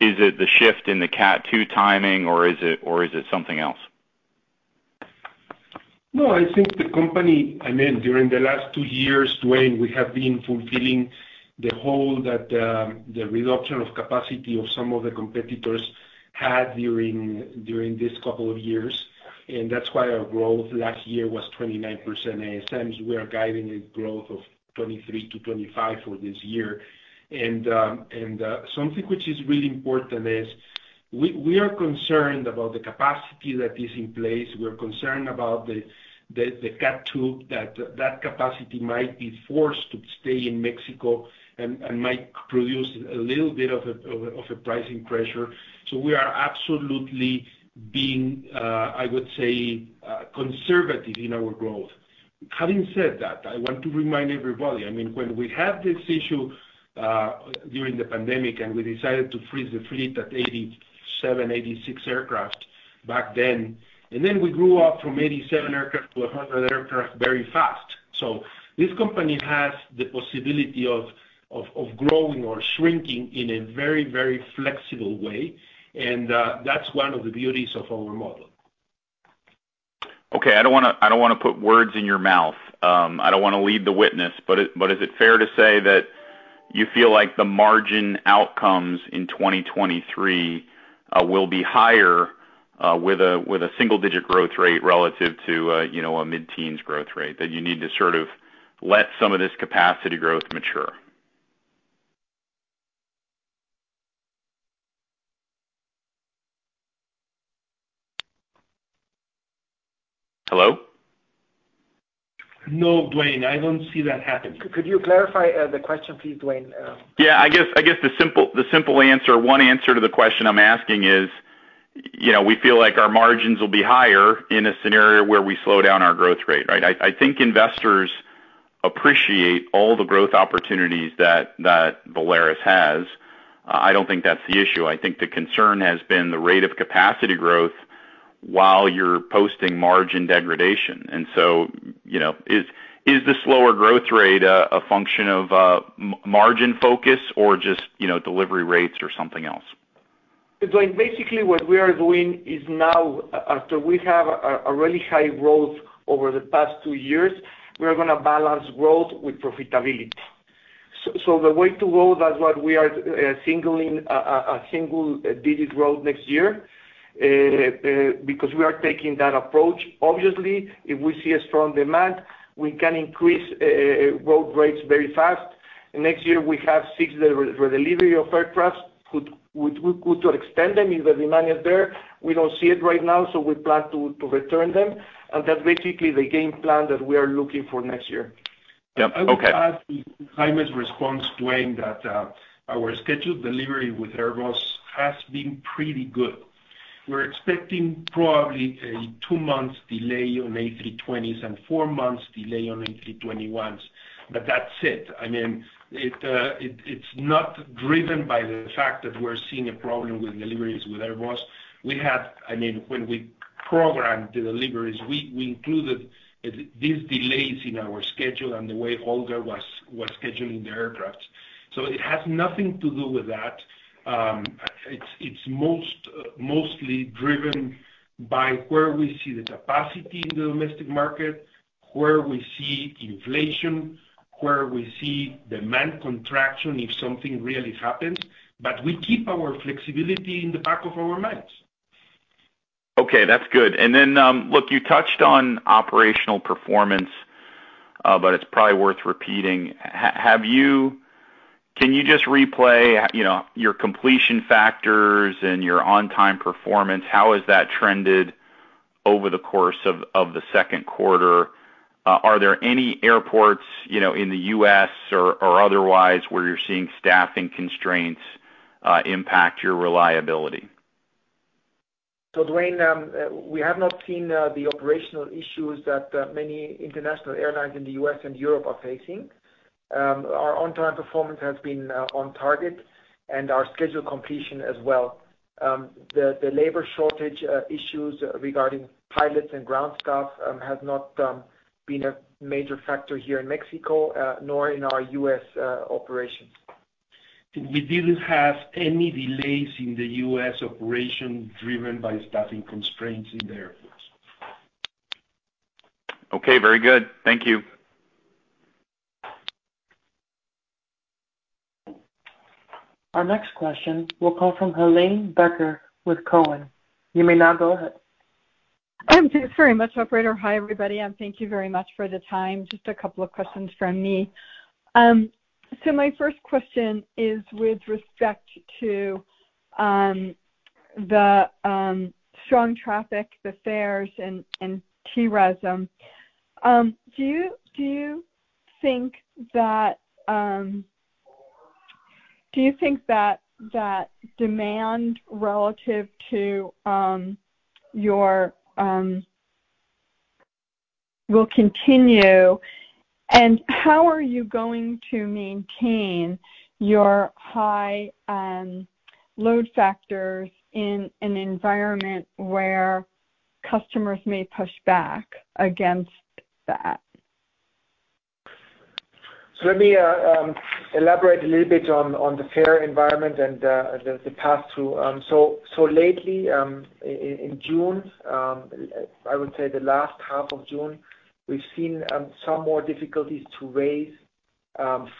Is it the shift in the Category 2 timing, or is it something else? No, I think the company, I mean, during the last two years, Duane, we have been filling the hole that the reduction of capacity of some of the competitors had during this couple of years. That's why our growth last year was 29% ASM. We are guiding a growth of 23%-25% for this year. Something which is really important is we are concerned about the capacity that is in place. We are concerned about the cap, too, that capacity might be forced to stay in Mexico and might produce a little bit of a pricing pressure. We are absolutely being, I would say, conservative in our growth. Having said that, I want to remind everybody, I mean, when we had this issue during the pandemic, and we decided to freeze the fleet at 86 aircraft back then, and then we grew up from 87 aircraft to 100 aircraft very fast. This company has the possibility of growing or shrinking in a very, very flexible way, and that's one of the beauties of our model. Okay. I don't wanna put words in your mouth. I don't wanna lead the witness, but is it fair to say that you feel like the margin outcomes in 2023 will be higher with a single-digit% growth rate relative to a, you know, a mid-teens% growth rate? That you need to sort of let some of this capacity growth mature? Hello? No, Duane, I don't see that happening. Could you clarify the question please, Duane? Yeah, I guess the simple answer, one answer to the question I'm asking is, you know, we feel like our margins will be higher in a scenario where we slow down our growth rate, right? I think investors appreciate all the growth opportunities that Volaris has. I don't think that's the issue. I think the concern has been the rate of capacity growth while you're posting margin degradation. You know, is this lower growth rate a function of margin focus or just, you know, delivery rates or something else? Duane, basically what we are doing is now, after we have a really high growth over the past two years, we are gonna balance growth with profitability. The way to go, that's what we are signaling, a single-digit growth next year because we are taking that approach. Obviously, if we see a strong demand, we can increase growth rates very fast. Next year we have six deliveries of aircraft we could extend if the demand is there. We don't see it right now, so we plan to return them. That's basically the game plan that we are looking for next year. Yep. Okay. I would add to Jaime's response, Duane, that our scheduled delivery with Airbus has been pretty good. We're expecting probably a 2-month delay on A320s and 4 months delay on A321s, but that's it. I mean, it's not driven by the fact that we're seeing a problem with deliveries with Airbus. When we programmed the deliveries, we included these delays in our schedule and the way Holger was scheduling the aircraft. So it has nothing to do with that. It's mostly driven by where we see the capacity in the domestic market, where we see inflation, where we see demand contraction, if something really happens. We keep our flexibility in the back of our minds. Okay. That's good. Then, look, you touched on operational performance, but it's probably worth repeating. Have you... Can you just replay, you know, your completion factors and your on-time performance? How has that trended over the course of the second quarter? Are there any airports, you know, in the U.S. or otherwise where you're seeing staffing constraints impact your reliability? Duane, we have not seen the operational issues that many international airlines in the U.S. and Europe are facing. Our on-time performance has been on target and our schedule completion as well. The labor shortage issues regarding pilots and ground staff has not been a major factor here in Mexico, nor in our U.S. operations. We didn't have any delays in the U.S. operation driven by staffing constraints in the airports. Okay. Very good. Thank you. Our next question will come from Helane Becker with Cowen. You may now go ahead. Thanks very much, operator. Hi, everybody, and thank you very much for the time. Just a couple of questions from me. My first question is with respect to the strong traffic, the fares and TRASM. Do you think that demand relative to your will continue, and how are you going to maintain your high load factors in an environment where customers may push back against that? Let me elaborate a little bit on the fare environment and the passthrough. Lately, in June, I would say the last half of June, we've seen some more difficulties to raise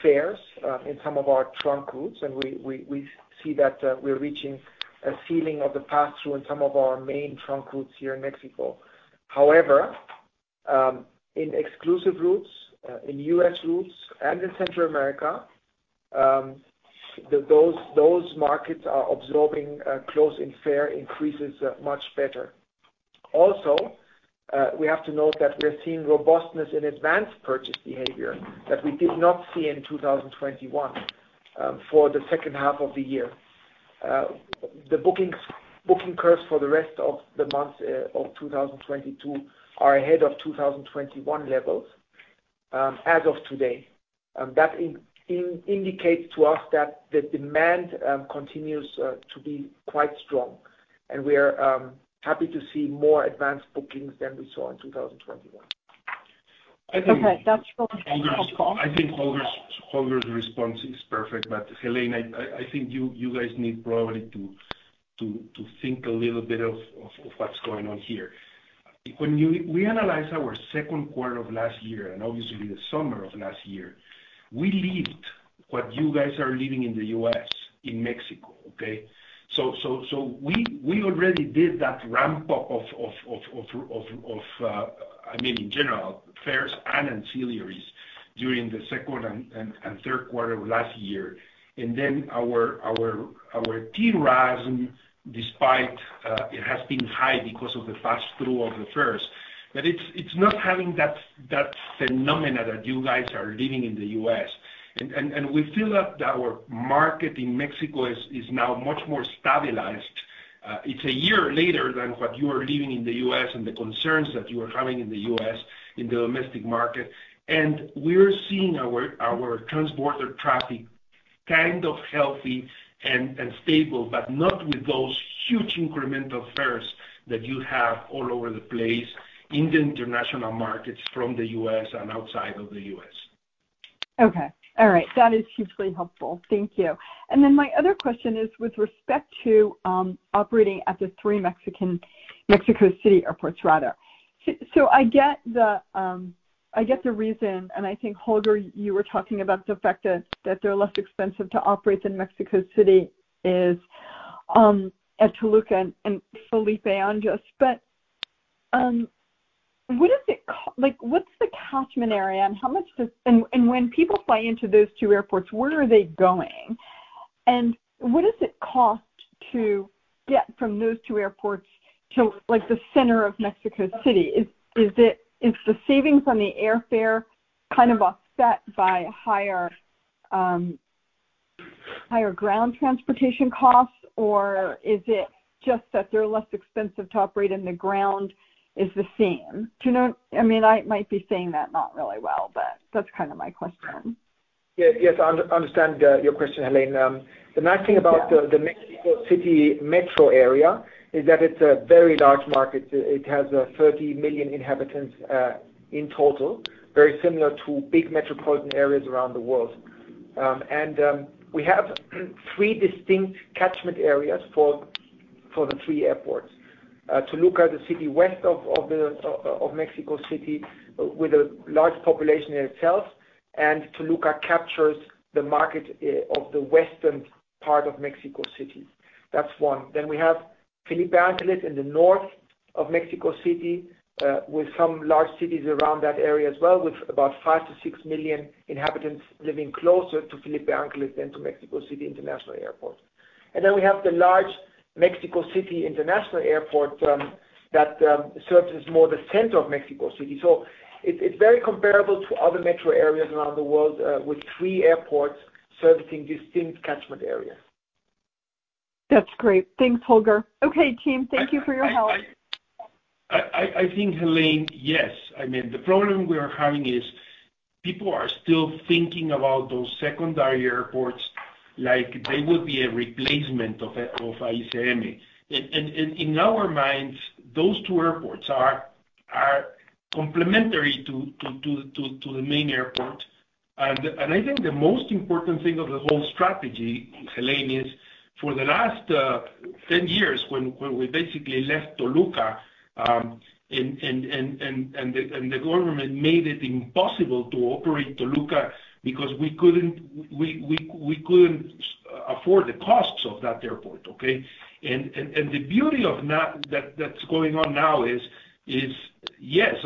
fares in some of our trunk routes. We see that we're reaching a ceiling of the passthrough in some of our main trunk routes here in Mexico. However, in exclusive routes, in US routes and in Central America, those markets are absorbing those fare increases much better. Also, we have to note that we are seeing robustness in advance purchase behavior that we did not see in 2021 for the second half of the year. The booking curves for the rest of the months of 2022 are ahead of 2021 levels, as of today. That indicates to us that the demand continues to be quite strong. We are happy to see more advanced bookings than we saw in 2021. I think. Okay. That's really helpful. I think Holger's response is perfect. Helane, I think you guys need probably to think a little bit of what's going on here. We analyzed our second quarter of last year, and obviously the summer of last year, we lived what you guys are living in the U.S., in Mexico, okay? We already did that ramp-up of, I mean, in general fares and ancillaries during the second and third quarter of last year. Then our TRASM despite it has been high because of the pass-through of the fares, but it's not having that phenomena that you guys are living in the U.S. We feel that our market in Mexico is now much more stabilized. It's a year later than what you are living in the U.S. and the concerns that you are having in the U.S. in the domestic market. We are seeing our transborder traffic kind of healthy and stable, but not with those huge incremental fares that you have all over the place in the international markets from the U.S. and outside of the U.S. Okay. All right. That is hugely helpful. Thank you. Then my other question is with respect to operating at the three Mexican Mexico City airports, rather. I get the reason, and I think Holger, you were talking about the fact that they're less expensive to operate than Mexico City is at Toluca and Felipe Ángeles. Like what's the catchment area, and when people fly into those two airports, where are they going? And what does it cost to get from those two airports to, like, the center of Mexico City? Is the savings on the airfare kind of offset by higher ground transportation costs, or is it just that they're less expensive to operate and the ground is the same? Do you know? I mean, I might be saying that not really well, but that's kind of my question. Yes, yes. I understand your question, Helane. The nice thing about Yeah. The Mexico City metro area is that it's a very large market. It has 30 million inhabitants in total, very similar to big metropolitan areas around the world. We have three distinct catchment areas for the three airports. Toluca, the city west of Mexico City with a large population in itself, and Toluca captures the market of the western part of Mexico City. That's one. Then we have Felipe Ángeles in the north of Mexico City, with some large cities around that area as well, with about 5-6 million inhabitants living closer to Felipe Ángeles than to Mexico City International Airport. Then we have the large Mexico City International Airport that serves as more the center of Mexico City. It's very comparable to other metro areas around the world, with three airports servicing distinct catchment areas. That's great. Thanks, Holger. Okay, team. Thank you for your help. I think, Helane, yes. I mean, the problem we are having is people are still thinking about those secondary airports like they would be a replacement of AICM. In our minds, those two airports are complementary to the main airport. I think the most important thing of the whole strategy, Helane, is for the last 10 years, when we basically left Toluca, and the government made it impossible to operate Toluca because we couldn't afford the costs of that airport, okay? The beauty of now that that's going on now is, yes,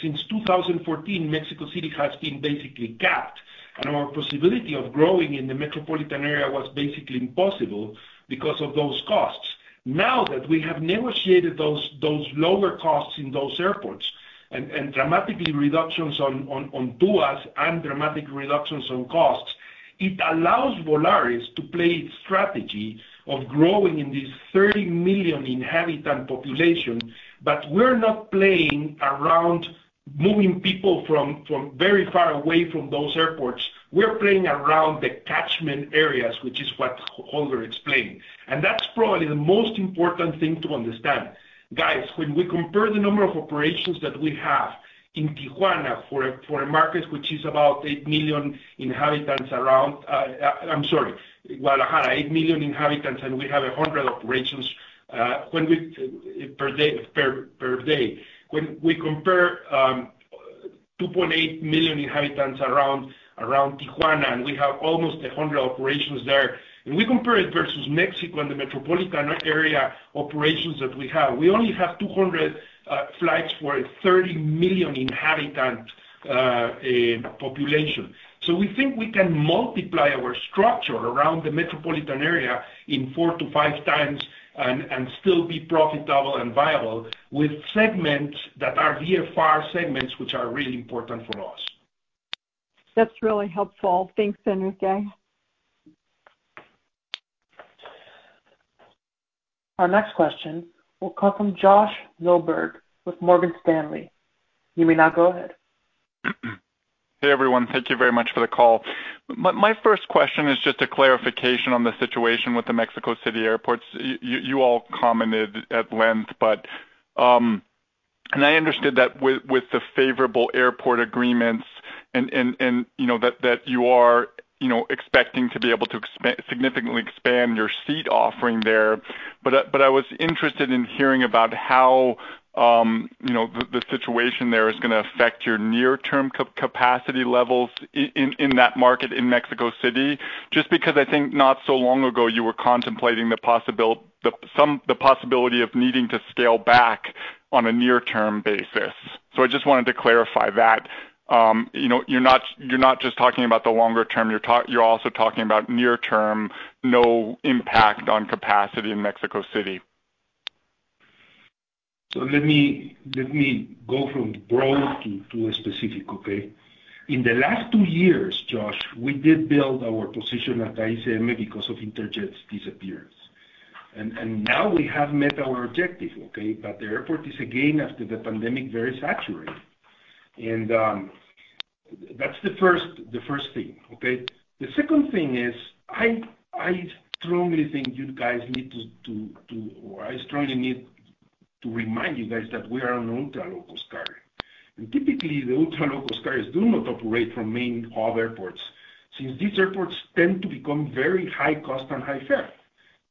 since 2014, Mexico City has been basically capped, and our possibility of growing in the metropolitan area was basically impossible because of those costs. Now that we have negotiated those lower costs in those airports and dramatic reductions on TUA and dramatic reductions on costs, it allows Volaris to play its strategy of growing in this 30 million inhabitant population, but we're not playing around moving people from very far away from those airports. We are playing around the catchment areas, which is what Holger explained, and that's probably the most important thing to understand. Guys, when we compare the number of operations that we have in Guadalajara for a market which is about 8 million inhabitants around Guadalajara, 8 million inhabitants, and we have 100 operations per day. When we compare 2.8 million inhabitants around Tijuana, and we have almost 100 operations there. When we compare it versus Mexico and the metropolitan area operations that we have, we only have 200 flights for a 30 million inhabitant population. We think we can multiply our structure around the metropolitan area in 4-5 times and still be profitable and viable with segments that are VFR segments, which are really important for us. That's really helpful. Thanks, Enrique. Our next question will come from Josh Milberg with Morgan Stanley. You may now go ahead. Hey, everyone. Thank you very much for the call. My first question is just a clarification on the situation with the Mexico City airports. You all commented at length, but I understood that with the favorable airport agreements and, you know, that you are, you know, expecting to be able to significantly expand your seat offering there, but I was interested in hearing about how, you know, the situation there is gonna affect your near-term capacity levels in that market in Mexico City. Just because I think not so long ago you were contemplating the possibility of needing to scale back on a near-term basis. I just wanted to clarify that. You know, you're not just talking about the longer term, you're also talking about near term, no impact on capacity in Mexico City. Let me go from broad to a specific, okay? In the last two years, Josh, we did build our position at AICM because of Interjet's disappearance. Now we have met our objective, okay? The airport is again, after the pandemic, very saturated. That's the first thing, okay. The second thing is, I strongly need to remind you guys that we are an ultra-low cost carrier. Typically, the ultra-low cost carriers do not operate from main hub airports, since these airports tend to become very high cost and high fare.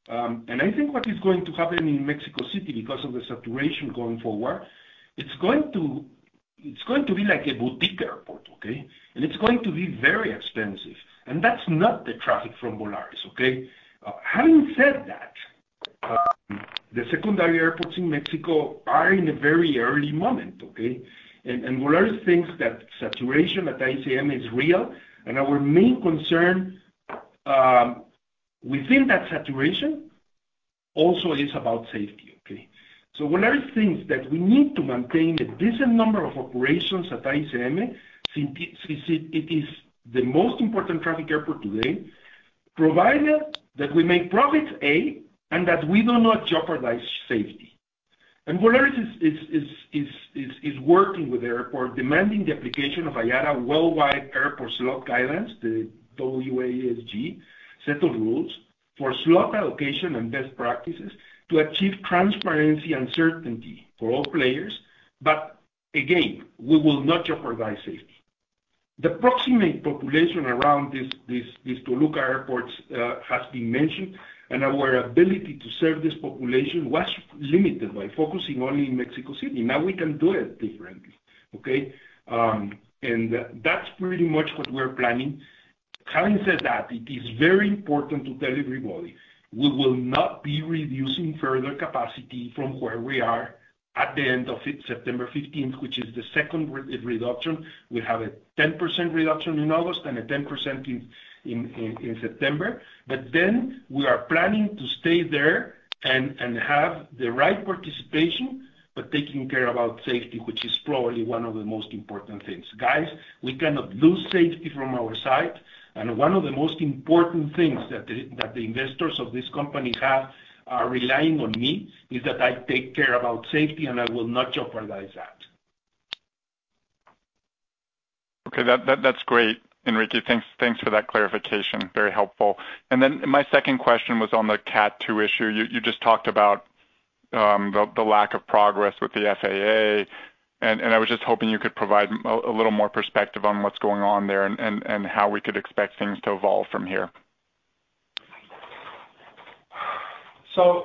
I think what is going to happen in Mexico City because of the saturation going forward, it's going to be like a boutique airport, okay? It's going to be very expensive. That's not the traffic from Volaris, okay? Having said that, the secondary airports in Mexico are in a very early moment, okay? Volaris thinks that saturation at AICM is real, and our main concern within that saturation also is about safety, okay. Volaris thinks that we need to maintain a decent number of operations at AICM since it is the most important traffic airport today, provided that we make profits and that we do not jeopardize safety. Volaris is working with airport, demanding the application of IATA Worldwide Airport Slot Guidelines, the WASG set of rules for slot allocation and best practices to achieve transparency and certainty for all players. Again, we will not jeopardize safety. The proximate population around this Toluca Airport has been mentioned, and our ability to serve this population was limited by focusing only in Mexico City. Now we can do it differently, okay? That's pretty much what we're planning. Having said that, it is very important to tell everybody we will not be reducing further capacity from where we are at the end of September fifteenth, which is the second re-reduction. We have a 10% reduction in August and a 10% in September. We are planning to stay there and have the right participation, but taking care about safety, which is probably one of the most important things. Guys, we cannot lose safety from our side, and one of the most important things that the investors of this company have are relying on me, is that I take care about safety, and I will not jeopardize that. Okay. That's great, Enrique. Thanks for that clarification. Very helpful. Then my second question was on the Category 2 issue. You just talked about the lack of progress with the FAA, and how we could expect things to evolve from here.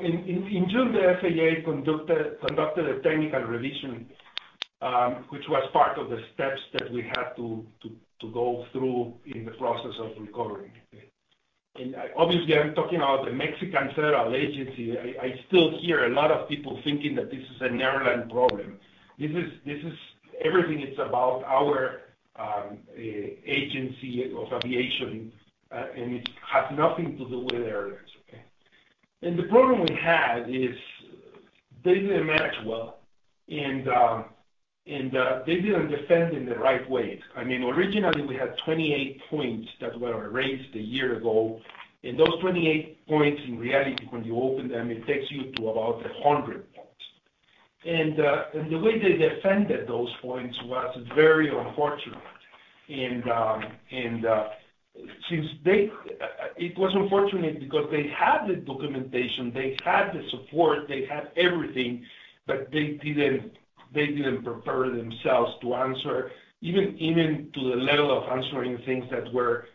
In June, the FAA conducted a technical revision, which was part of the steps that we had to go through in the process of recovering. Obviously, I'm talking about the Mexican federal agency. I still hear a lot of people thinking that this is an airline problem. This is everything is about our agency of aviation, and it has nothing to do with airlines, okay. The problem we had is they didn't manage well, and they didn't defend in the right ways. I mean, originally we had 28 points that were raised a year ago, and those 28 points, in reality, when you open them, it takes you to about 100. The way they defended those points was very unfortunate. It was unfortunate because they had the documentation, they had the support, they had everything, but they didn't prepare themselves to answer even to the level of answering things that were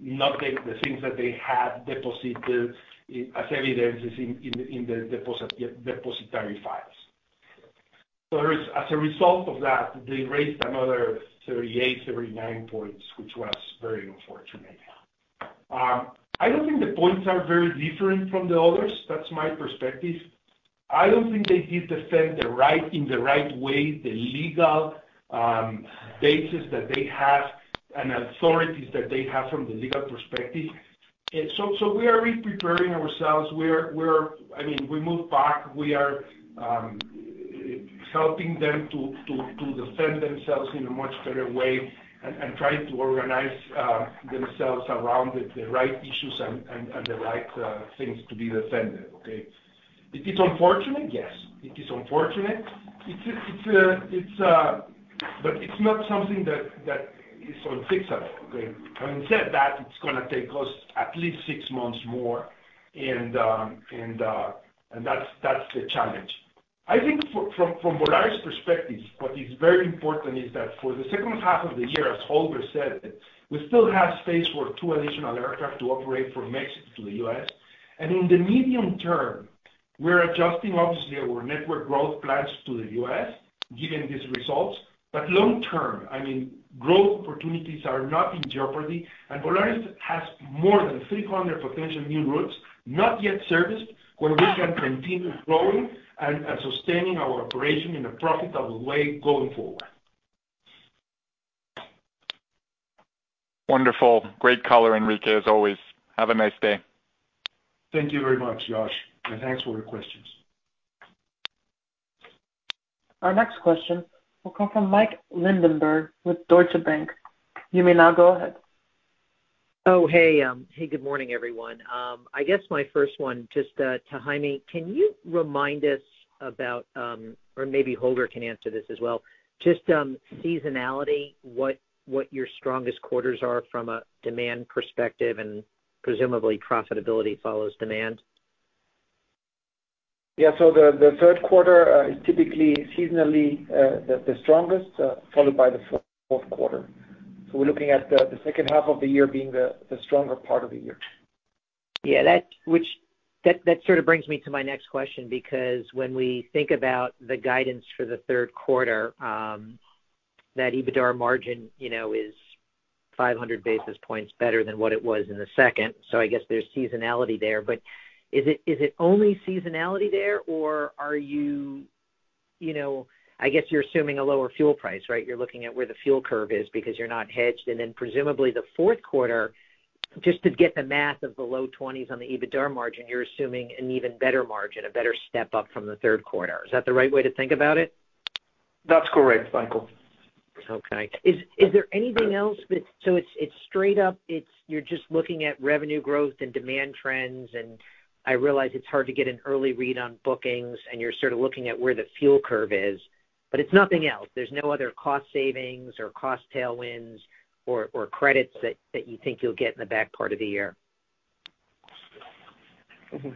not the things that they had deposited as evidences in the depository files. As a result of that, they raised another 38-39 points, which was very unfortunate. I don't think the points are very different from the others. That's my perspective. I don't think they did defend in the right way the legal basis that they have and authorities that they have from the legal perspective. We are re-preparing ourselves. I mean, we moved back. We are helping them to defend themselves in a much better way and trying to organize themselves around the right issues and the right things to be defended, okay? It is unfortunate. Yes. It is unfortunate. But it's not something that is unfixable, okay? Having said that, it's gonna take us at least six months more and that's the challenge. I think from Volaris perspective, what is very important is that for the second half of the year, as Holger said, we still have space for two additional aircraft to operate from Mexico to the U.S. In the medium term, we're adjusting obviously our network growth plans to the U.S., given these results. Long term, I mean, growth opportunities are not in jeopardy, and Volaris has more than 300 potential new routes, not yet serviced, where we can continue growing and sustaining our operation in a profitable way going forward. Wonderful. Great color, Enrique, as always. Have a nice day. Thank you very much, Josh, and thanks for your questions. Our next question will come from Michael Linenberg with Deutsche Bank. You may now go ahead. Good morning, everyone. I guess my first one, just, to Jaime. Can you remind us about seasonality, what your strongest quarters are from a demand perspective, and presumably profitability follows demand? Or maybe Holger can answer this as well. Yeah. The third quarter is typically seasonally the strongest, followed by the fourth quarter. We're looking at the second half of the year being the stronger part of the year. That sort of brings me to my next question because when we think about the guidance for the third quarter, that EBITDA margin, you know, is 500 basis points better than what it was in the second. I guess there's seasonality there. Is it only seasonality there, or are you know, I guess you're assuming a lower fuel price, right? You're looking at where the fuel curve is because you're not hedged. Then presumably the fourth quarter, just to get the math of the low 20s% on the EBITDA margin, you're assuming an even better margin, a better step up from the third quarter. Is that the right way to think about it? That's correct, Michael. Okay. Is there anything else? It's straight up, you're just looking at revenue growth and demand trends, and I realize it's hard to get an early read on bookings, and you're sort of looking at where the fuel curve is. But it's nothing else. There's no other cost savings or cost tailwinds or credits that you think you'll get in the back part of the year?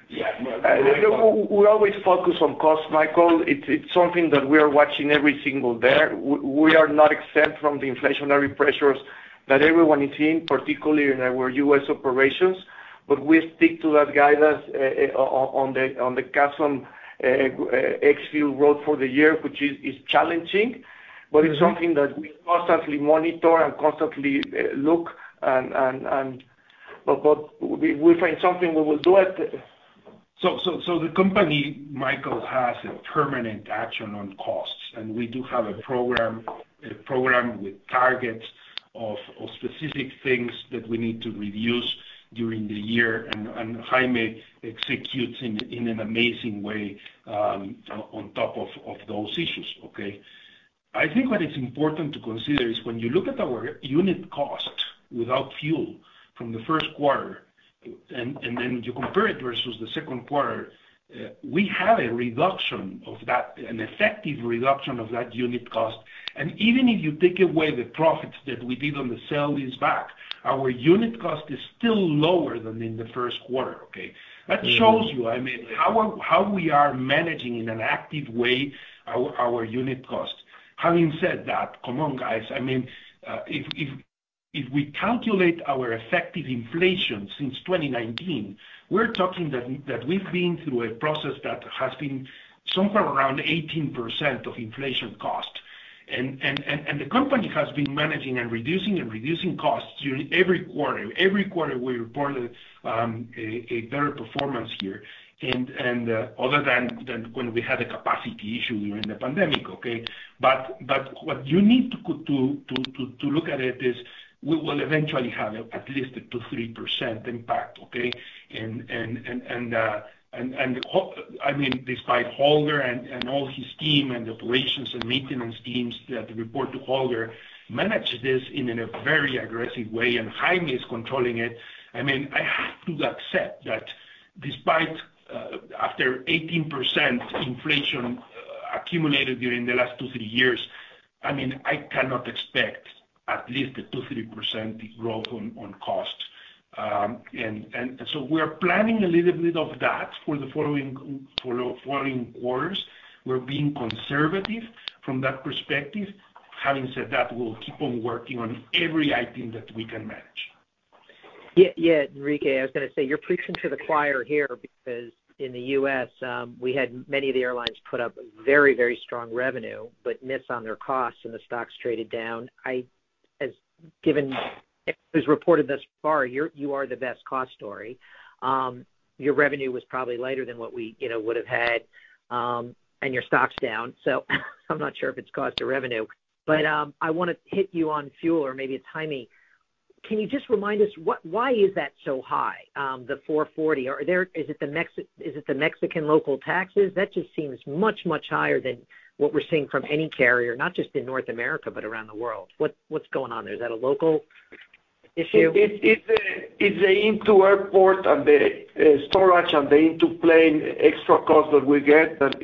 Yeah. We always focus on cost, Michael. It's something that we are watching every single day. We are not exempt from the inflationary pressures that everyone is in, particularly in our U.S. operations. We stick to that guidance on the CASM ex-fuel growth for the year, which is challenging. Mm-hmm. It's something that we constantly monitor and constantly look at. If we find something, we will do it. The company, Michael, has a permanent action on costs, and we do have a program with targets of specific things that we need to reduce during the year, and Jaime executes in an amazing way on top of those issues, okay? I think what is important to consider is when you look at our unit cost without fuel from the first quarter and then you compare it versus the second quarter, we have a reduction of that, an effective reduction of that unit cost. Even if you take away the profits that we did on the sale-leaseback, our unit cost is still lower than in the first quarter, okay? Mm-hmm. That shows you, I mean, how we are managing in an active way our unit cost. Having said that, if we calculate our effective inflation since 2019, we're talking that we've been through a process that has been somewhere around 18% of inflation cost. The company has been managing and reducing costs during every quarter. Every quarter we report a better performance here. Other than when we had a capacity issue during the pandemic, okay? What you need to look at it is we will eventually have at least a 2-3% impact, okay? I mean, despite Holger and all his team and the operations and maintenance teams that report to Holger manage this in a very aggressive way, and Jaime is controlling it. I mean, I have to accept that despite after 18% inflation accumulated during the last two, three years. I mean, I cannot expect at least a 2%-3% growth on cost. We are planning a little bit of that for the following quarters. We're being conservative from that perspective. Having said that, we'll keep on working on every item that we can manage. Yeah, yeah, Enrique, I was gonna say you're preaching to the choir here because in the U.S., we had many of the airlines put up very, very strong revenue, but miss on their costs and the stocks traded down. As reported thus far, you are the best cost story. Your revenue was probably lighter than what we, you know, would have had, and your stock's down. I'm not sure if it's cost or revenue. I wanna hit you on fuel or maybe it's Jaime. Can you just remind us why is that so high, the $4.40? Is it the Mexican local taxes? That just seems much, much higher than what we're seeing from any carrier, not just in North America, but around the world. What's going on there? Is that a local issue? It's an airport and the storage and the into-plane extra cost that we get that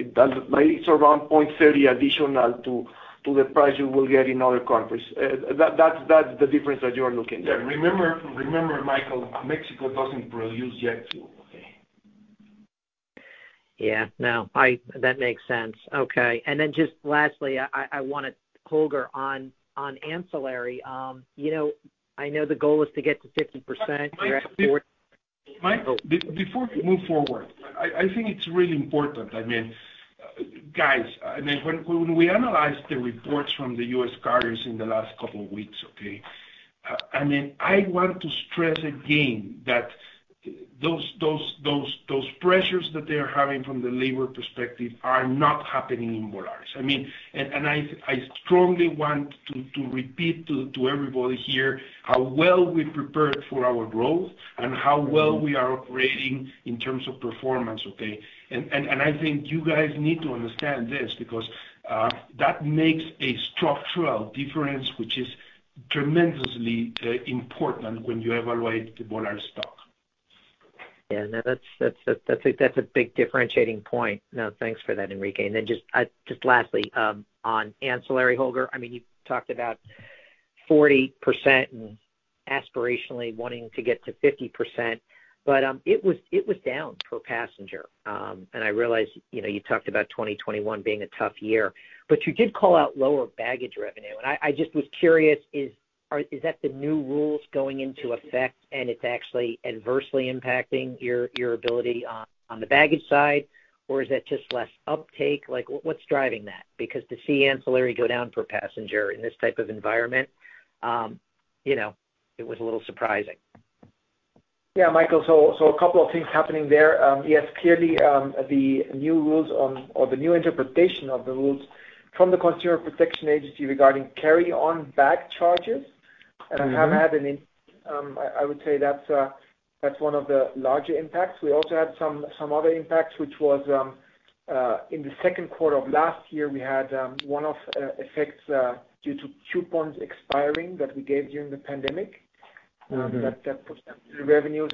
maybe it's around $0.30 additional to the price you will get in other countries. That's the difference that you are looking at. Yeah. Remember, Michael, Mexico doesn't produce jet fuel, okay? Yeah. No, that makes sense. Okay. Just lastly, I wanna Holger, on ancillary, you know, I know the goal is to get to 50%- Michael. Oh. Michael, before we move forward, I think it's really important. I mean, guys, I mean, when we analyze the reports from the U.S. carriers in the last couple weeks, I mean, I want to stress again that those pressures that they are having from the labor perspective are not happening in Volaris. I mean, I strongly want to repeat to everybody here how well we prepared for our growth and how well we are operating in terms of performance. I think you guys need to understand this because that makes a structural difference, which is tremendously important when you evaluate the Volaris stock. Yeah. No, that's a big differentiating point. No, thanks for that, Enrique. Then just lastly, on ancillary, Holger, I mean, you talked about 40% and aspirationally wanting to get to 50%, but it was down per passenger. I realize, you know, you talked about 2021 being a tough year, but you did call out lower baggage revenue. I just was curious, is that the new rules going into effect and it's actually adversely impacting your ability on the baggage side? Or is that just less uptake? Like, what's driving that? Because to see ancillary go down per passenger in this type of environment, you know, it was a little surprising. Yeah, Michael. A couple of things happening there. Yes, clearly, the new rules on, or the new interpretation of the rules from PROFECO regarding carry-on bag charges- Mm-hmm. I would say that's one of the larger impacts. We also had some other impacts, which was in the second quarter of last year, we had one-off effects due to coupons expiring that we gave during the pandemic. Mm-hmm. That pushed down the revenues.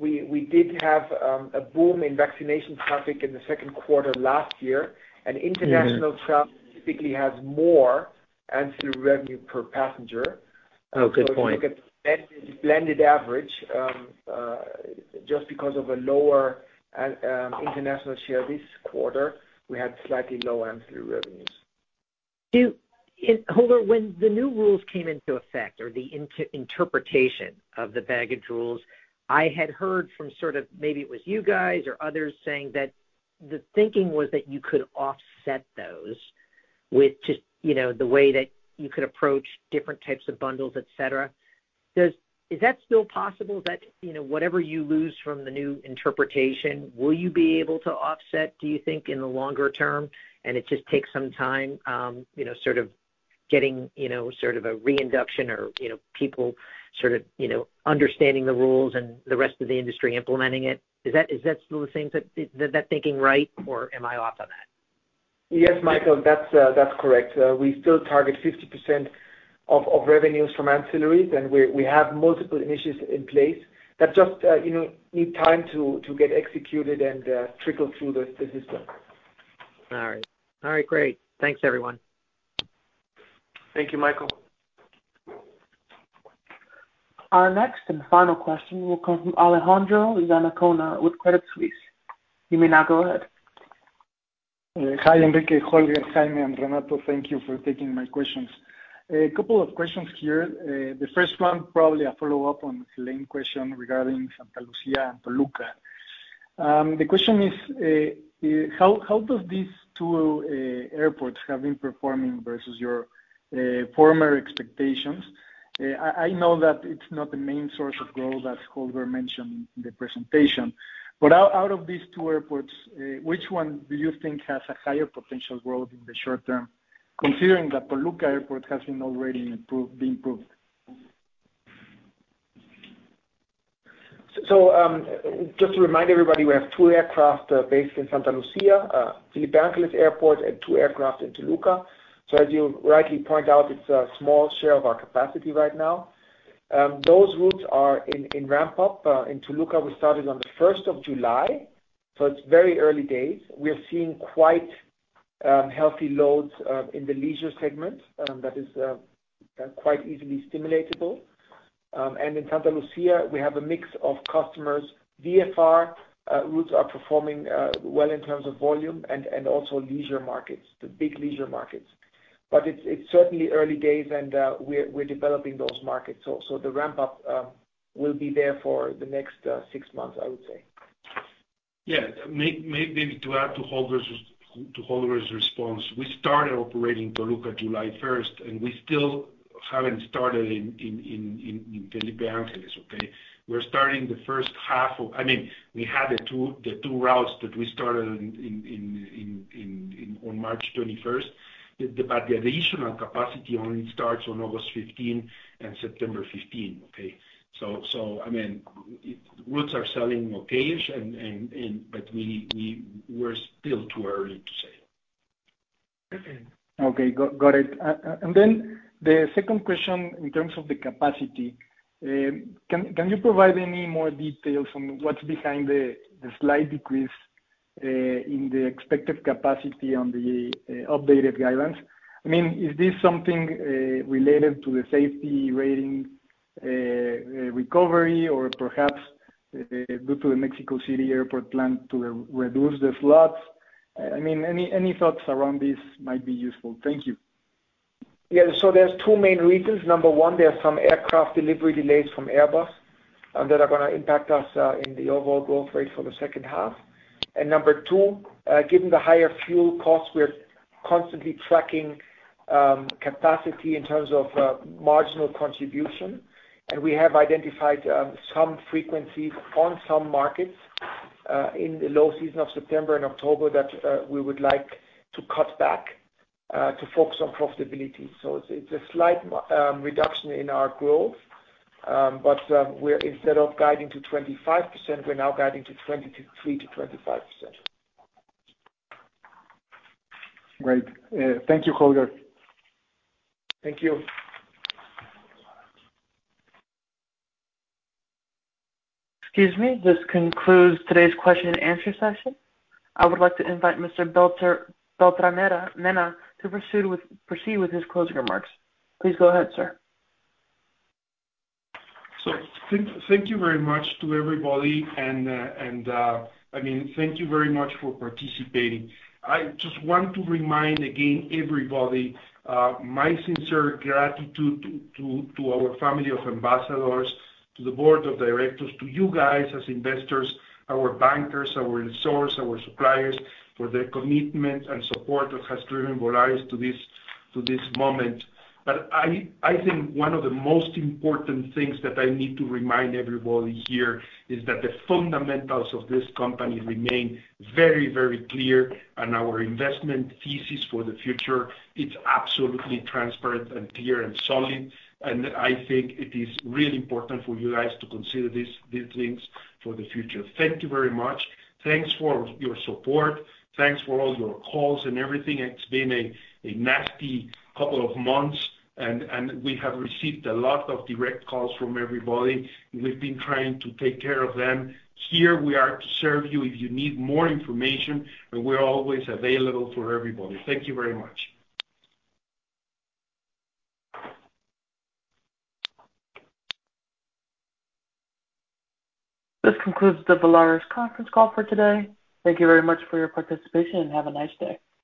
We did have a boom in vaccination traffic in the second quarter last year. Mm-hmm. International travel typically has more ancillary revenue per passenger. Oh, good point. If you look at the blended average, just because of a lower international share this quarter, we had slightly lower ancillary revenues. Holger Blankenstein, when the new rules came into effect or the interpretation of the baggage rules, I had heard from sort of maybe it was you guys or others saying that the thinking was that you could offset those with just, you know, the way that you could approach different types of bundles, et cetera. Is that still possible that, you know, whatever you lose from the new interpretation, will you be able to offset, do you think, in the longer term? It just takes some time, you know, sort of getting, you know, sort of a reinduction or, you know, people sort of, you know, understanding the rules and the rest of the industry implementing it. Is that thinking right, or am I off on that? Yes, Michael, that's correct. We still target 50% of revenues from ancillaries, and we have multiple initiatives in place that just, you know, need time to get executed and trickle through the system. All right, great. Thanks, everyone. Thank you, Michael. Our next and final question will come from Alejandro Zamacona with Credit Suisse. You may now go ahead. Hi, Enrique, Holger, Jaime, and Renato. Thank you for taking my questions. A couple of questions here. The first one, probably a follow-up on Helane's question regarding Santa Lucía and Toluca. The question is, how do these two airports have been performing versus your former expectations? I know that it's not the main source of growth as Holger mentioned in the presentation. Out of these two airports, which one do you think has a higher potential growth in the short term, considering that Toluca airport has been already improved? Just to remind everybody, we have two aircraft based in Santa Lucía Felipe Ángeles Airport, and two aircraft in Toluca. As you rightly point out, it's a small share of our capacity right now. Those routes are in ramp up. In Toluca, we started on the first of July, so it's very early days. We are seeing quite healthy loads in the leisure segment that is quite easily stimulatable. In Santa Lucía, we have a mix of customers. VFR routes are performing well in terms of volume and also leisure markets, the big leisure markets. It's certainly early days, and we're developing those markets also. The ramp up will be there for the next six months, I would say. Yeah. Maybe to add to Holger's response. We started operating Toluca July 1, and we still haven't started in Felipe Ángeles, okay? I mean, we had the two routes that we started on March 21. But the additional capacity only starts on August 15 and September 15, okay? I mean, routes are selling okay-ish, but we're still too early to say. Okay. Got it. The second question in terms of the capacity. Can you provide any more details on what's behind the slight decrease in the expected capacity on the updated guidance? I mean, is this something related to the safety rating, recovery or perhaps due to the Mexico City Airport plan to reduce the slots? I mean, any thoughts around this might be useful. Thank you. Yeah. There's two main reasons. Number one, there are some aircraft delivery delays from Airbus that are gonna impact us in the overall growth rate for the second half. Number two, given the higher fuel costs, we are constantly tracking capacity in terms of marginal contribution. We have identified some frequencies on some markets in the low season of September and October that we would like to cut back to focus on profitability. It's a slight reduction in our growth. But we're instead of guiding to 25%, we're now guiding to 23%-25%. Great. Thank you, Holger. Thank you. Excuse me. This concludes today's question and answer session. I would like to invite Mr. Beltranena to proceed with his closing remarks. Please go ahead, sir. Thank you very much to everybody. I mean, thank you very much for participating. I just want to remind everybody again my sincere gratitude to our family of ambassadors, to the board of directors, to you guys as investors, our bankers, our resources, our suppliers, for their commitment and support that has driven Volaris to this moment. I think one of the most important things that I need to remind everybody here is that the fundamentals of this company remain very clear, and our investment thesis for the future is absolutely transparent and clear and solid, and I think it is really important for you guys to consider these things for the future. Thank you very much. Thanks for your support. Thanks for all your calls and everything. It's been a nasty couple of months and we have received a lot of direct calls from everybody, and we've been trying to take care of them. Here we are to serve you if you need more information, and we're always available for everybody. Thank you very much. This concludes the Volaris conference call for today. Thank you very much for your participation, and have a nice day.